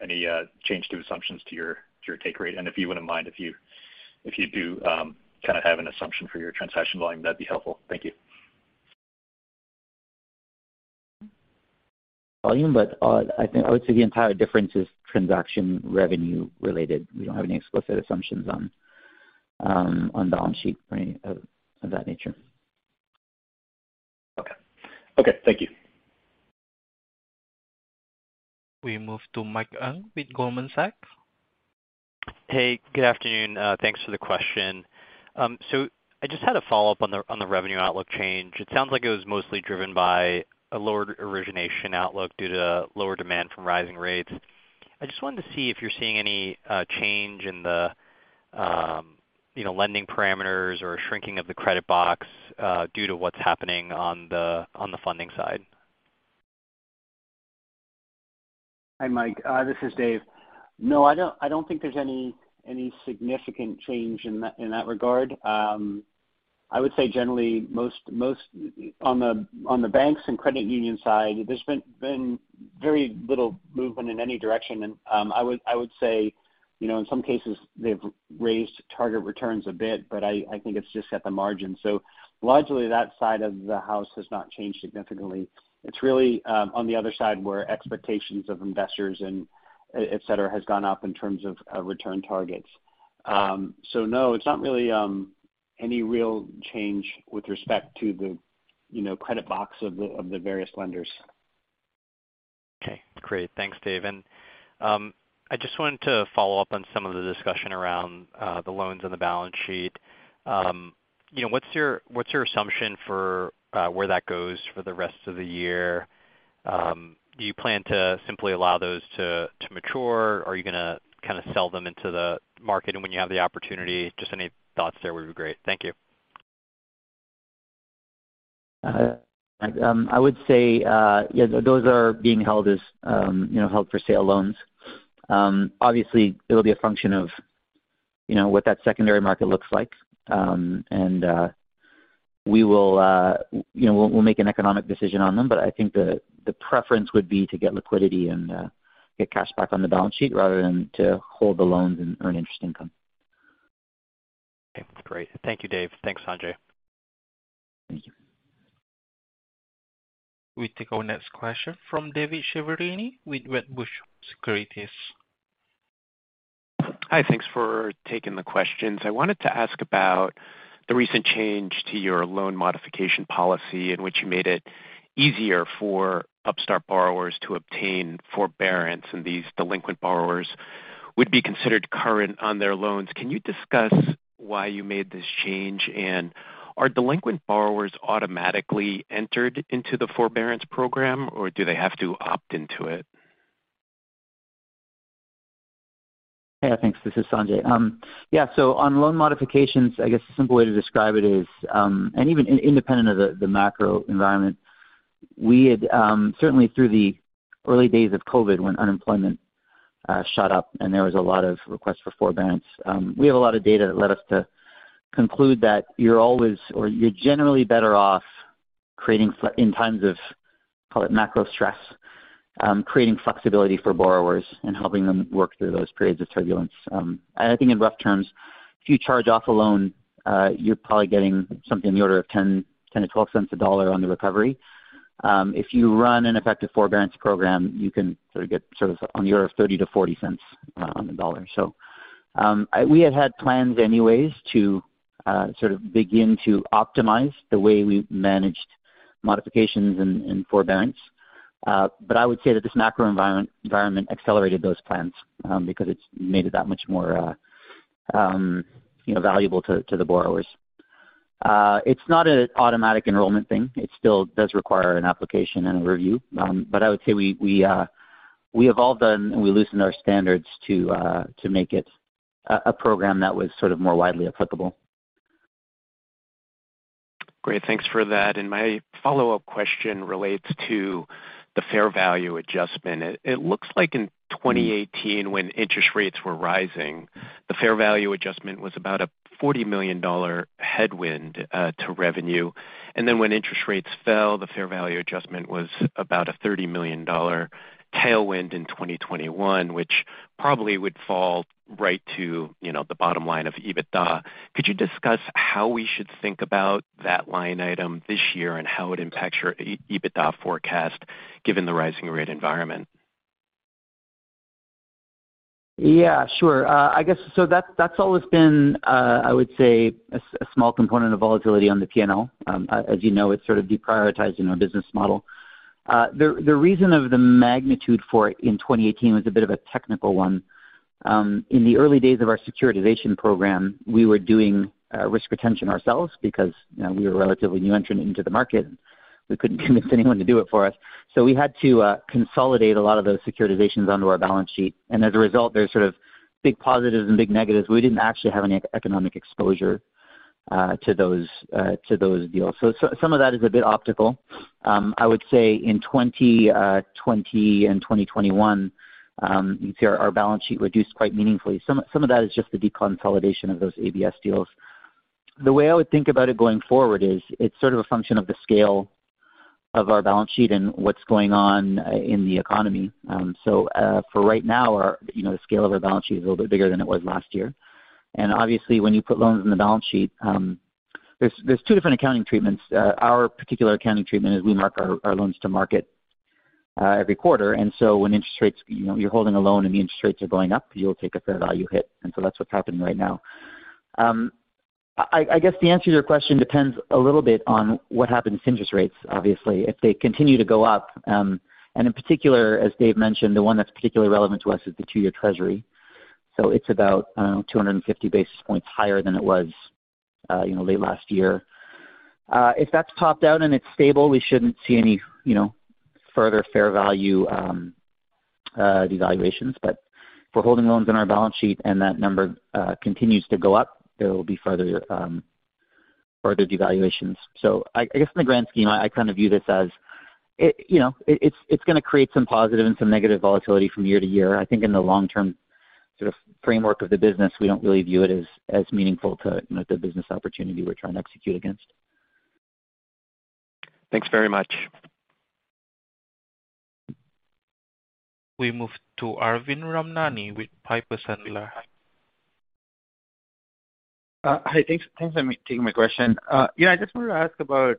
any change to assumptions to your take rate? If you wouldn't mind, if you do kinda have an assumption for your transaction volume, that'd be helpful. Thank you. Volume. I think I would say the entire difference is transaction revenue related. We don't have any explicit assumptions on the on-sheet or any of that nature. Okay, thank you. We move to Mike Ng with Goldman Sachs. Hey, good afternoon. Thanks for the question. I just had a follow-up on the revenue outlook change. It sounds like it was mostly driven by a lower origination outlook due to lower demand from rising rates. I just wanted to see if you're seeing any change in the, you know, lending parameters or shrinking of the credit box due to what's happening on the funding side? Hi, Mike. This is Dave. No, I don't think there's any significant change in that regard. I would say generally. On the banks and credit union side, there's been very little movement in any direction. I would say, you know, in some cases they've raised target returns a bit, but I think it's just at the margin. Largely that side of the house has not changed significantly. It's really on the other side where expectations of investors and et cetera has gone up in terms of return targets. No, it's not really any real change with respect to the, you know, credit box of the various lenders. Okay. Great. Thanks, Dave. I just wanted to follow up on some of the discussion around the loans on the balance sheet. You know, what's your assumption for where that goes for the rest of the year? Do you plan to simply allow those to mature? Are you gonna kinda sell them into the market when you have the opportunity? Just any thoughts there would be great. Thank you. I would say, yeah, those are being held as, you know, held for sale loans. Obviously, it'll be a function of, you know, what that secondary market looks like, and we will, you know, we'll make an economic decision on them, but I think the preference would be to get liquidity and get cash back on the balance sheet rather than to hold the loans and earn interest income. Okay. Great. Thank you, Dave. Thanks, Sanjay. Thank you. We take our next question from David Chiaverini with Wedbush Securities. Hi. Thanks for taking the questions. I wanted to ask about the recent change to your loan modification policy in which you made it easier for Upstart borrowers to obtain forbearance, and these delinquent borrowers would be considered current on their loans. Can you discuss why you made this change? Are delinquent borrowers automatically entered into the forbearance program, or do they have to opt into it? Yeah, thanks. This is Sanjay. On loan modifications, I guess the simple way to describe it is, and even independent of the macro environment, we had certainly through the early days of COVID when unemployment shot up and there was a lot of requests for forbearance, we have a lot of data that led us to conclude that you're always or you're generally better off creating flexibility in times of, call it macro stress, creating flexibility for borrowers and helping them work through those periods of turbulence. I think in rough terms, if you charge off a loan, you're probably getting something in the order of 10-12 cents a dollar on the recovery. If you run an effective forbearance program, you can sort of get sort of on the order of 30-40 cents on the dollar. We had plans anyways to sort of begin to optimize the way we managed modifications and forbearance. I would say that this macro environment accelerated those plans because it's made it that much more you know valuable to the borrowers. It's not an automatic enrollment thing. It still does require an application and a review. I would say we loosened our standards to make it a program that was sort of more widely applicable. Great. Thanks for that. My follow-up question relates to the fair value adjustment. It looks like in 2018 when interest rates were rising, the fair value adjustment was about a $40 million headwind to revenue. Then when interest rates fell, the fair value adjustment was about a $30 million tailwind in 2021, which probably would fall right to, you know, the bottom line of EBITDA. Could you discuss how we should think about that line item this year and how it impacts your EBITDA forecast given the rising rate environment? Yeah, sure. I guess that's always been, I would say a small component of volatility on the P&L. As you know, it's sort of deprioritizing our business model. The reason for the magnitude for it in 2018 was a bit of a technical one. In the early days of our securitization program, we were doing risk retention ourselves because, you know, we were a relatively new entrant into the market. We couldn't convince anyone to do it for us. We had to consolidate a lot of those securitizations onto our balance sheet. As a result, there's sort of big positives and big negatives. We didn't actually have any economic exposure to those deals. Some of that is a bit optical. I would say in 2020 and 2021, you can see our balance sheet reduced quite meaningfully. Some of that is just the deconsolidation of those ABS deals. The way I would think about it going forward is it's sort of a function of the scale of our balance sheet and what's going on in the economy. For right now, you know, the scale of our balance sheet is a little bit bigger than it was last year. Obviously, when you put loans on the balance sheet, there's two different accounting treatments. Our particular accounting treatment is we mark our loans to market every quarter. When interest rates, you know, you're holding a loan and the interest rates are going up, you'll take a fair value hit. That's what's happening right now. I guess the answer to your question depends a little bit on what happens to interest rates, obviously. If they continue to go up, and in particular, as Dave mentioned, the one that's particularly relevant to us is the two-year treasury. It's about 250 basis points higher than it was, you know, late last year. If that's topped out and it's stable, we shouldn't see any, you know, further fair value devaluations. But if we're holding loans on our balance sheet and that number continues to go up, there will be further devaluations. I guess in the grand scheme, I kind of view this as it, you know, it's gonna create some positive and some negative volatility from year to year. I think in the long term sort of framework of the business, we don't really view it as meaningful to, you know, the business opportunity we're trying to execute against. Thanks very much. We move to Arvind Ramnani with Piper Sandler. Hi. Thanks for taking my question. Yeah, I just wanted to ask about,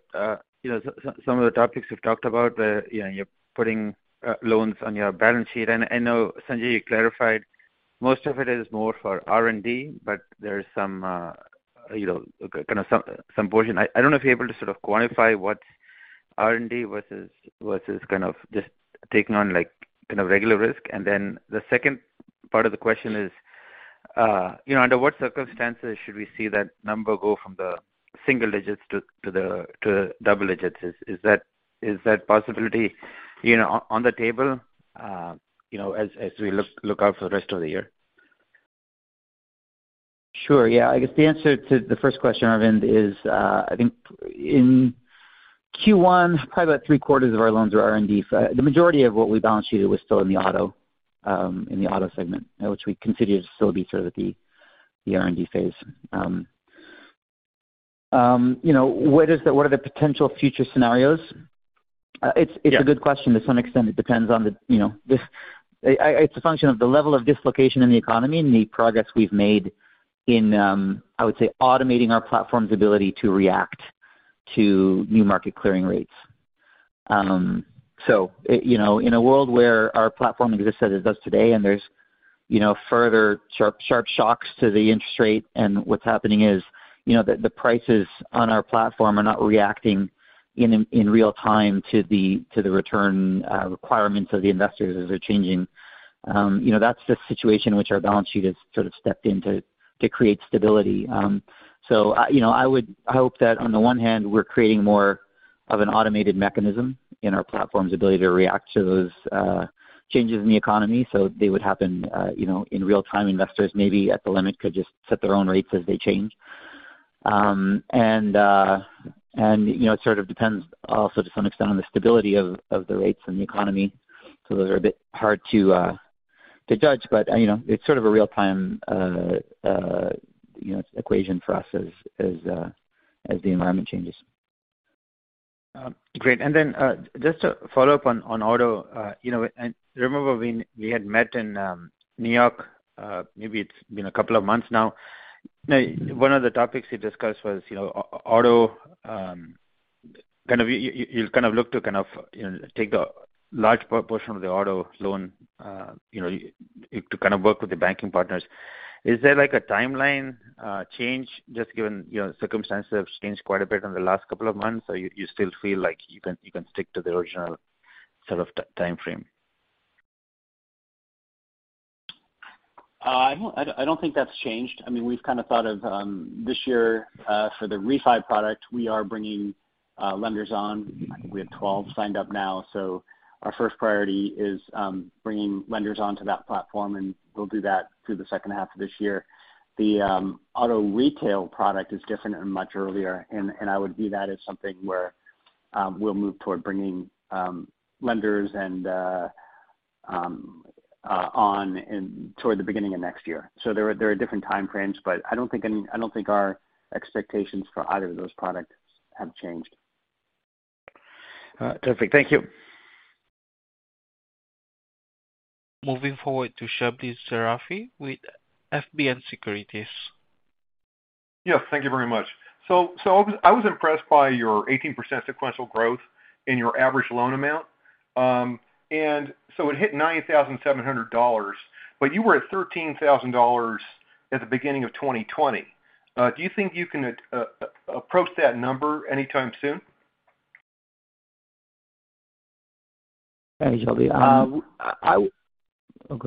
you know, some of the topics you've talked about, you know, you're putting loans on your balance sheet. I know, Sanjay, you clarified most of it is more for R&D, but there is some, you know, kind of some portion. I don't know if you're able to sort of quantify what's R&D versus kind of just taking on, like, you know, regular risk. Then the second part of the question is, you know, under what circumstances should we see that number go from the single digits to the double digits? Is that possibility on the table, you know, as we look out for the rest of the year? Sure. Yeah. I guess the answer to the first question, Arvind, is, I think in Q1, probably about three-quarters of our loans were R&D. The majority of what we balance sheeted was still in the auto segment, which we consider to still be sort of the R&D phase. You know, what are the potential future scenarios? Yeah. It's a good question. To some extent, it depends on you know it's a function of the level of dislocation in the economy and the progress we've made in I would say automating our platform's ability to react to new market clearing rates. So you know in a world where our platform exists as it does today and there's you know further sharp shocks to the interest rate, and what's happening is you know the prices on our platform are not reacting in real time to the return requirements of the investors as they're changing. You know that's the situation in which our balance sheet has sort of stepped in to create stability. I, you know, I would hope that on the one hand, we're creating more of an automated mechanism in our platform's ability to react to those changes in the economy. They would happen, you know, in real time. Investors maybe at the limit could just set their own rates as they change. You know, it sort of depends also to some extent on the stability of the rates and the economy. Those are a bit hard to judge. You know, it's sort of a real-time equation for us as the environment changes. Great. Just to follow up on auto, you know, and remember when we had met in New York, maybe it's been a couple of months now. One of the topics we discussed was, you know, auto, kind of you'll kind of look to kind of, you know, take the large proportion of the auto loan, you know, to kind of work with the banking partners. Is there like a timeline change just given, you know, circumstances have changed quite a bit in the last couple of months? You still feel like you can stick to the original sort of time frame? I don't think that's changed. I mean, we've kinda thought of this year for the refi product, we are bringing Lenders on, I think we have 12 signed up now. Our first priority is bringing lenders onto that platform, and we'll do that through the second half of this year. The auto retail product is different and much earlier. I would view that as something where we'll move toward bringing lenders toward the beginning of next year. There are different time frames, but I don't think our expectations for either of those products have changed. Terrific. Thank you. Moving forward to Shebly Seyrafi with FBN Securities. Yes, thank you very much. I was impressed by your 18% sequential growth in your average loan amount. It hit $9,700, but you were at $13,000 at the beginning of 2020. Do you think you can approach that number anytime soon? Shebly, Uh, w- I w- Oh, go ahead, Dave. Oh, no. Oh, well. Why don't I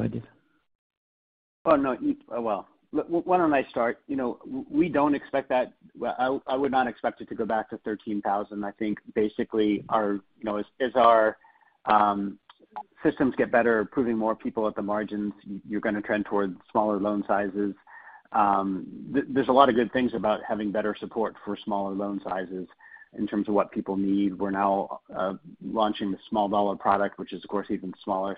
start? You know, we don't expect that. Well, I would not expect it to go back to 13,000. I think basically our, you know, as our systems get better, approving more people at the margins, you're gonna trend towards smaller loan sizes. There's a lot of good things about having better support for smaller loan sizes in terms of what people need. We're now launching the small dollar product, which is, of course, even smaller.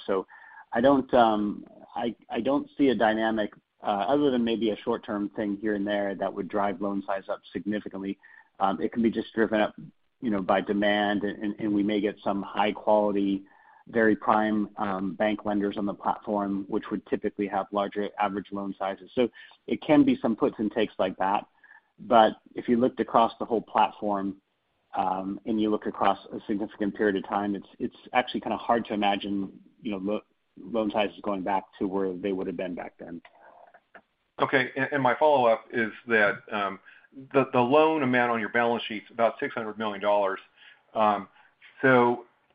I don't see a dynamic other than maybe a short-term thing here and there that would drive loan size up significantly. It can be just driven up, you know, by demand and we may get some high quality, very prime, bank lenders on the platform, which would typically have larger average loan sizes. It can be some puts and takes like that. If you looked across the whole platform, and you look across a significant period of time, it's actually kinda hard to imagine, you know, loan sizes going back to where they would've been back then. Okay. My follow-up is that the loan amount on your balance sheet's about $600 million.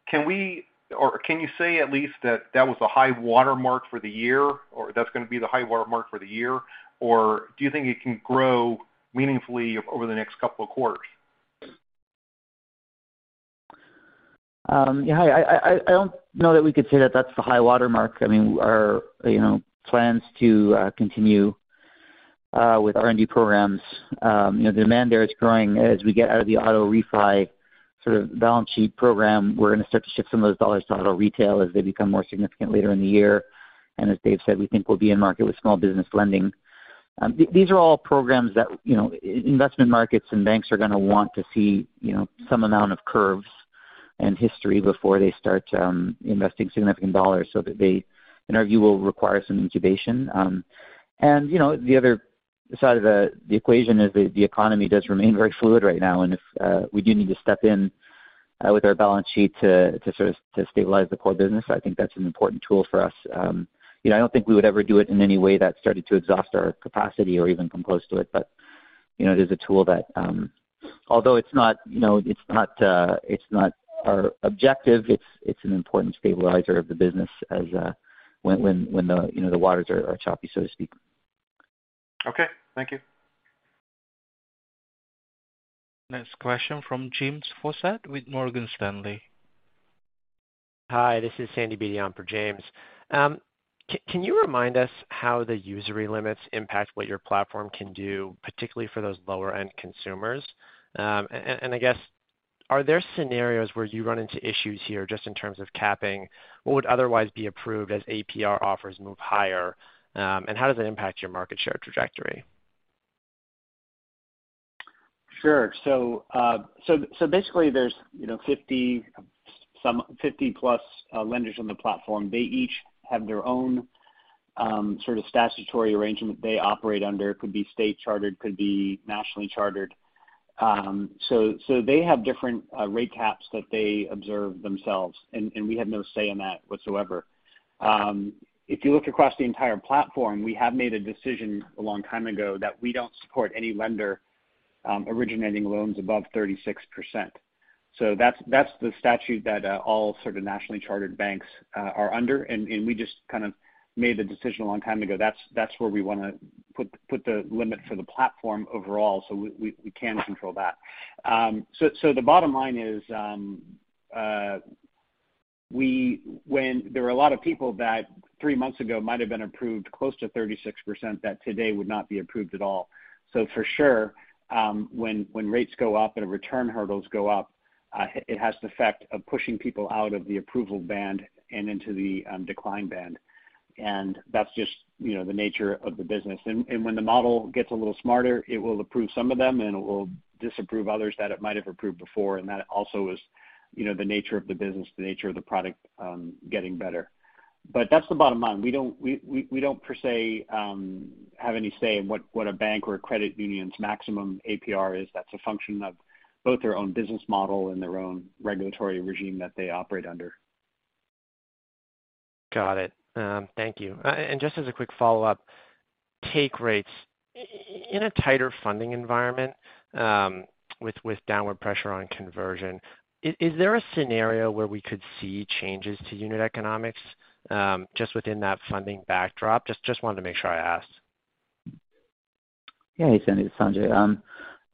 Can we or can you say at least that was a high watermark for the year or that's gonna be the high watermark for the year? Or do you think it can grow meaningfully over the next couple of quarters? Yeah, I don't know that we could say that that's the high watermark. I mean, our you know plans to continue with R&D programs. You know, demand there is growing. As we get out of the auto refi sort of balance sheet program, we're gonna start to shift some of those dollars to auto retail as they become more significant later in the year. As Dave said, we think we'll be in market with small business lending. These are all programs that, you know, investment markets and banks are gonna want to see, you know, some amount of curves and history before they start investing significant dollars so that they, in our view, will require some incubation. You know, the other side of the equation is the economy does remain very fluid right now. If we do need to step in with our balance sheet to sort of stabilize the core business, I think that's an important tool for us. You know, I don't think we would ever do it in any way that started to exhaust our capacity or even come close to it. You know, it is a tool that although it's not you know it's not our objective, it's an important stabilizer of the business as when the you know the waters are choppy, so to speak. Okay. Thank you. Next question from James Faucette with Morgan Stanley. Hi, this is Sandy Beatty on for James Faucette. Can you remind us how the usury limits impact what your platform can do, particularly for those lower end consumers? I guess are there scenarios where you run into issues here just in terms of capping what would otherwise be approved as APR offers move higher? How does it impact your market share trajectory? Sure. Basically there's, you know, 50-plus lenders on the platform. They each have their own sort of statutory arrangement they operate under. Could be state chartered, could be nationally chartered. They have different rate caps that they observe themselves, and we have no say in that whatsoever. If you look across the entire platform, we have made a decision a long time ago that we don't support any lender originating loans above 36%. That's the statute that all sort of nationally chartered banks are under. We just kind of made the decision a long time ago. That's where we wanna put the limit for the platform overall. We can control that. The bottom line is, when there were a lot of people that three months ago might have been approved close to 36%, that today would not be approved at all. For sure, when rates go up and return hurdles go up, it has the effect of pushing people out of the approval band and into the decline band. That's just, you know, the nature of the business. When the model gets a little smarter, it will approve some of them, and it will disapprove others that it might have approved before. That also is, you know, the nature of the business, the nature of the product, getting better. That's the bottom line. We don't per se have any say in what a bank or a credit union's maximum APR is. That's a function of both their own business model and their own regulatory regime that they operate under. Got it. Thank you. Just as a quick follow-up, take rates in a tighter funding environment, with downward pressure on conversion, is there a scenario where we could see changes to unit economics, just within that funding backdrop? Just wanted to make sure I asked. Yeah. Hey, Sandy. It's Sanjay.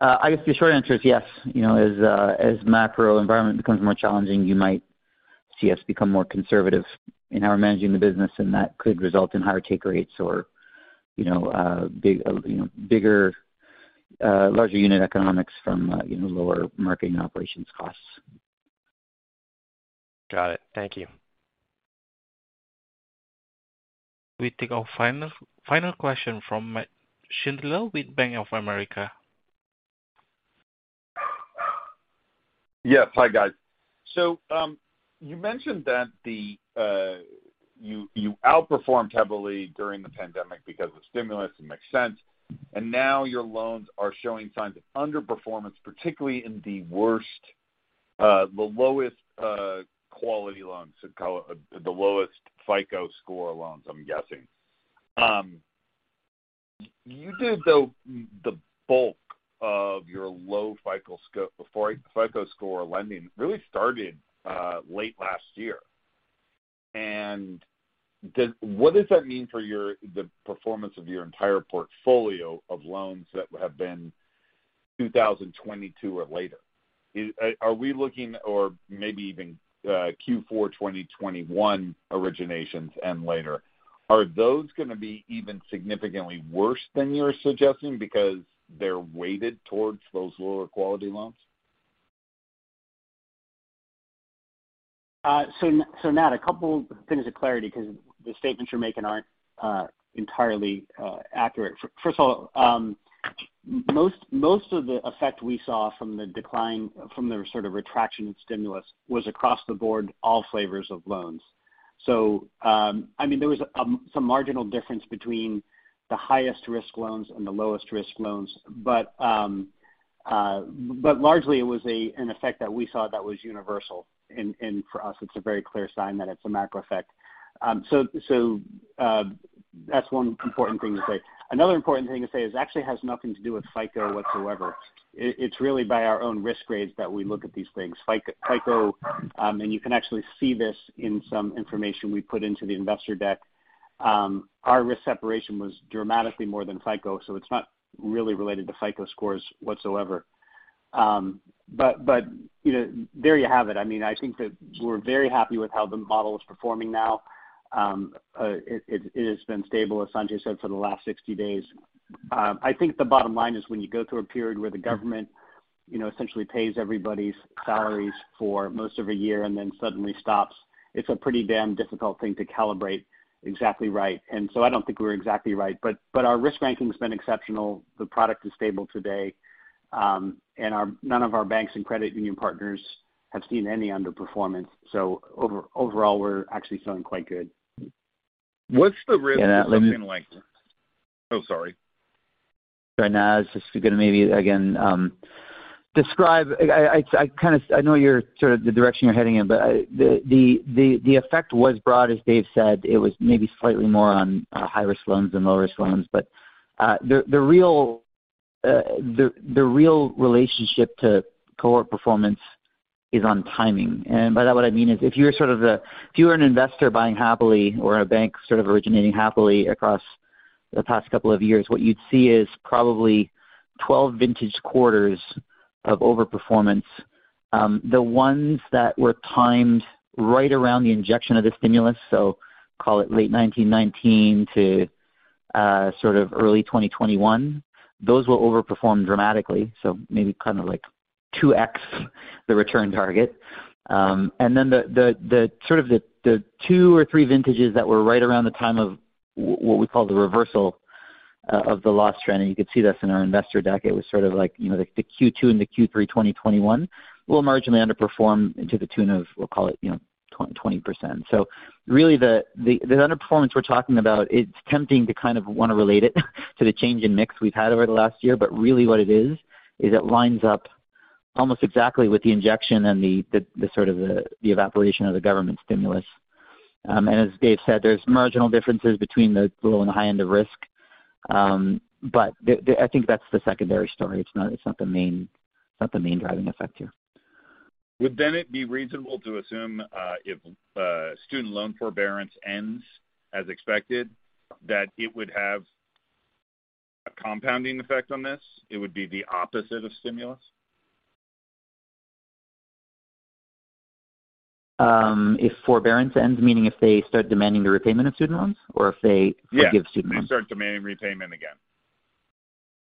I guess the short answer is yes. You know, as macro environment becomes more challenging, you might see us become more conservative in how we're managing the business, and that could result in higher take rates or, you know, bigger, larger unit economics from, you know, lower marketing operations costs. Got it. Thank you. We take our final question from Nat Schindler with Bank of America. Yes. Hi, guys. You mentioned that you outperformed heavily during the pandemic because of stimulus. It makes sense. Now your loans are showing signs of underperformance, particularly in the worst, the lowest quality loans, so the lowest FICO score loans, I'm guessing. You did though, the bulk of your low FICO before FICO score lending really started, late last year. What does that mean for the performance of your entire portfolio of loans that have been 2022 or later? Are we looking or maybe even Q4 2021 originations and later, are those gonna be even significantly worse than you're suggesting because they're weighted towards those lower quality loans? Matt, a couple things of clarity because the statements you're making aren't entirely accurate. First of all, most of the effect we saw from the decline from the sort of retraction in stimulus was across the board, all flavors of loans. I mean, there was some marginal difference between the highest risk loans and the lowest risk loans. Largely it was an effect that we saw that was universal. For us it's a very clear sign that it's a macro effect. That's one important thing to say. Another important thing to say is it actually has nothing to do with FICO whatsoever. It's really by our own risk grades that we look at these things. FICO, you can actually see this in some information we put into the investor deck. Our risk separation was dramatically more than FICO, so it's not really related to FICO scores whatsoever. You know, there you have it. I mean, I think that we're very happy with how the model is performing now. It has been stable, as Sanjay said, for the last 60 days. I think the bottom line is when you go through a period where the government, you know, essentially pays everybody's salaries for most of a year and then suddenly stops, it's a pretty damn difficult thing to calibrate exactly right. I don't think we're exactly right, but our risk ranking's been exceptional. The product is stable today. None of our banks and credit union partners have seen any underperformance. Overall, we're actually feeling quite good. What's the risk looking like? Yeah, Matt, let me. Oh, sorry. Sorry, Nat, just gonna maybe again describe. I know you're sort of the direction you're heading in, but the effect was broad, as Dave Girouard said. It was maybe slightly more on high-risk loans than low-risk loans. The real relationship to cohort performance is on timing. By that, what I mean is if you're an investor buying happily or a bank sort of originating happily across the past couple of years, what you'd see is probably 12 vintage quarters of overperformance. The ones that were timed right around the injection of the stimulus, so call it late 2019 to sort of early 2021, those will overperform dramatically. Maybe kind of like 2x the return target. The sort of two or three vintages that were right around the time of what we call the reversal of the loss trend, and you could see this in our investor deck. It was sort of like, you know, the Q2 and the Q3 2021 will marginally underperform to the tune of, we'll call it, you know, 20%. Really the underperformance we're talking about, it's tempting to kind of wanna relate it to the change in mix we've had over the last year. Really what it is it lines up almost exactly with the injection and the sort of evaporation of the government stimulus. As Dave said, there's marginal differences between the low and the high end of risk. I think that's the secondary story. It's not the main driving effect here. Would then it be reasonable to assume, if student loan forbearance ends as expected, that it would have a compounding effect on this? It would be the opposite of stimulus? If forbearance ends, meaning if they start demanding the repayment of student loans or if they. Yeah Forgive student loans? If they start demanding repayment again,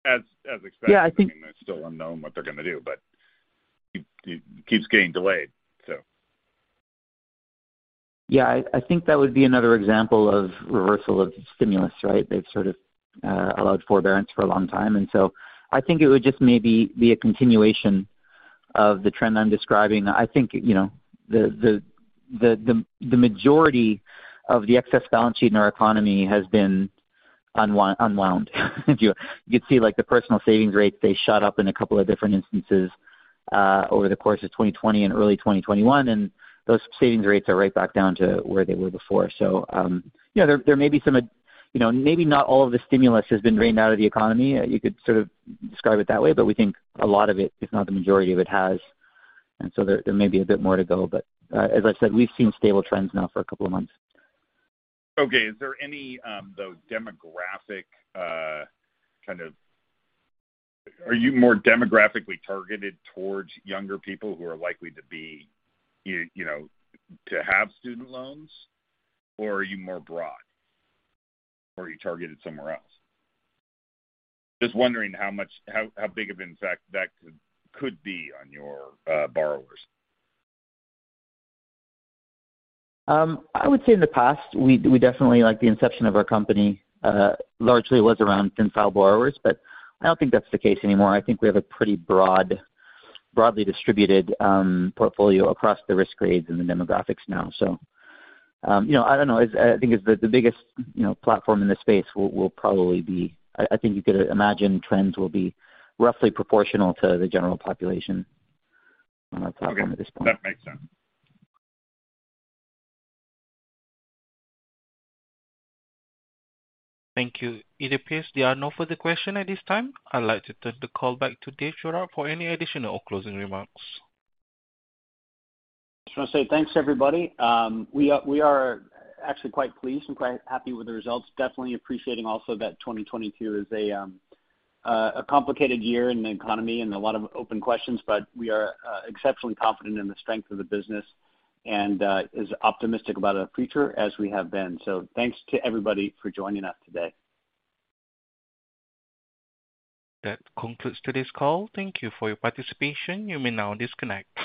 as expected. Yeah, I think. I mean, it's still unknown what they're gonna do, but it keeps getting delayed, so. Yeah, I think that would be another example of reversal of stimulus, right? They've sort of allowed forbearance for a long time, and so I think it would just maybe be a continuation of the trend I'm describing. I think, you know, the majority of the excess balance sheet in our economy has been unwound, if you could see like the personal savings rates, they shot up in a couple of different instances over the course of 2020 and early 2021, and those savings rates are right back down to where they were before. There may be some, you know, maybe not all of the stimulus has been drained out of the economy. You could sort of describe it that way, but we think a lot of it, if not the majority of it, has. There may be a bit more to go. As I said, we've seen stable trends now for a couple of months. Okay. Is there any, though, demographic kind of? Are you more demographically targeted towards younger people who are likely to be, you know, to have student loans, or are you more broad? Or are you targeted somewhere else? Just wondering how big of an impact that could be on your borrowers. I would say in the past, we definitely like the inception of our company largely was around thin file borrowers, but I don't think that's the case anymore. I think we have a pretty broad, broadly distributed portfolio across the risk grades and the demographics now. You know, I don't know. I think it's the biggest, you know, platform in this space will probably be. I think you could imagine trends will be roughly proportional to the general population on our platform at this point. Okay. That makes sense. Thank you. It appears there are no further questions at this time. I'd like to turn the call back to Dave Girouard for any additional or closing remarks. Just wanna say thanks to everybody. We are actually quite pleased and quite happy with the results. Definitely appreciating also that 2022 is a complicated year in the economy and a lot of open questions. We are exceptionally confident in the strength of the business and as optimistic about our future as we have been. Thanks to everybody for joining us today. That concludes today's call. Thank you for your participation. You may now disconnect.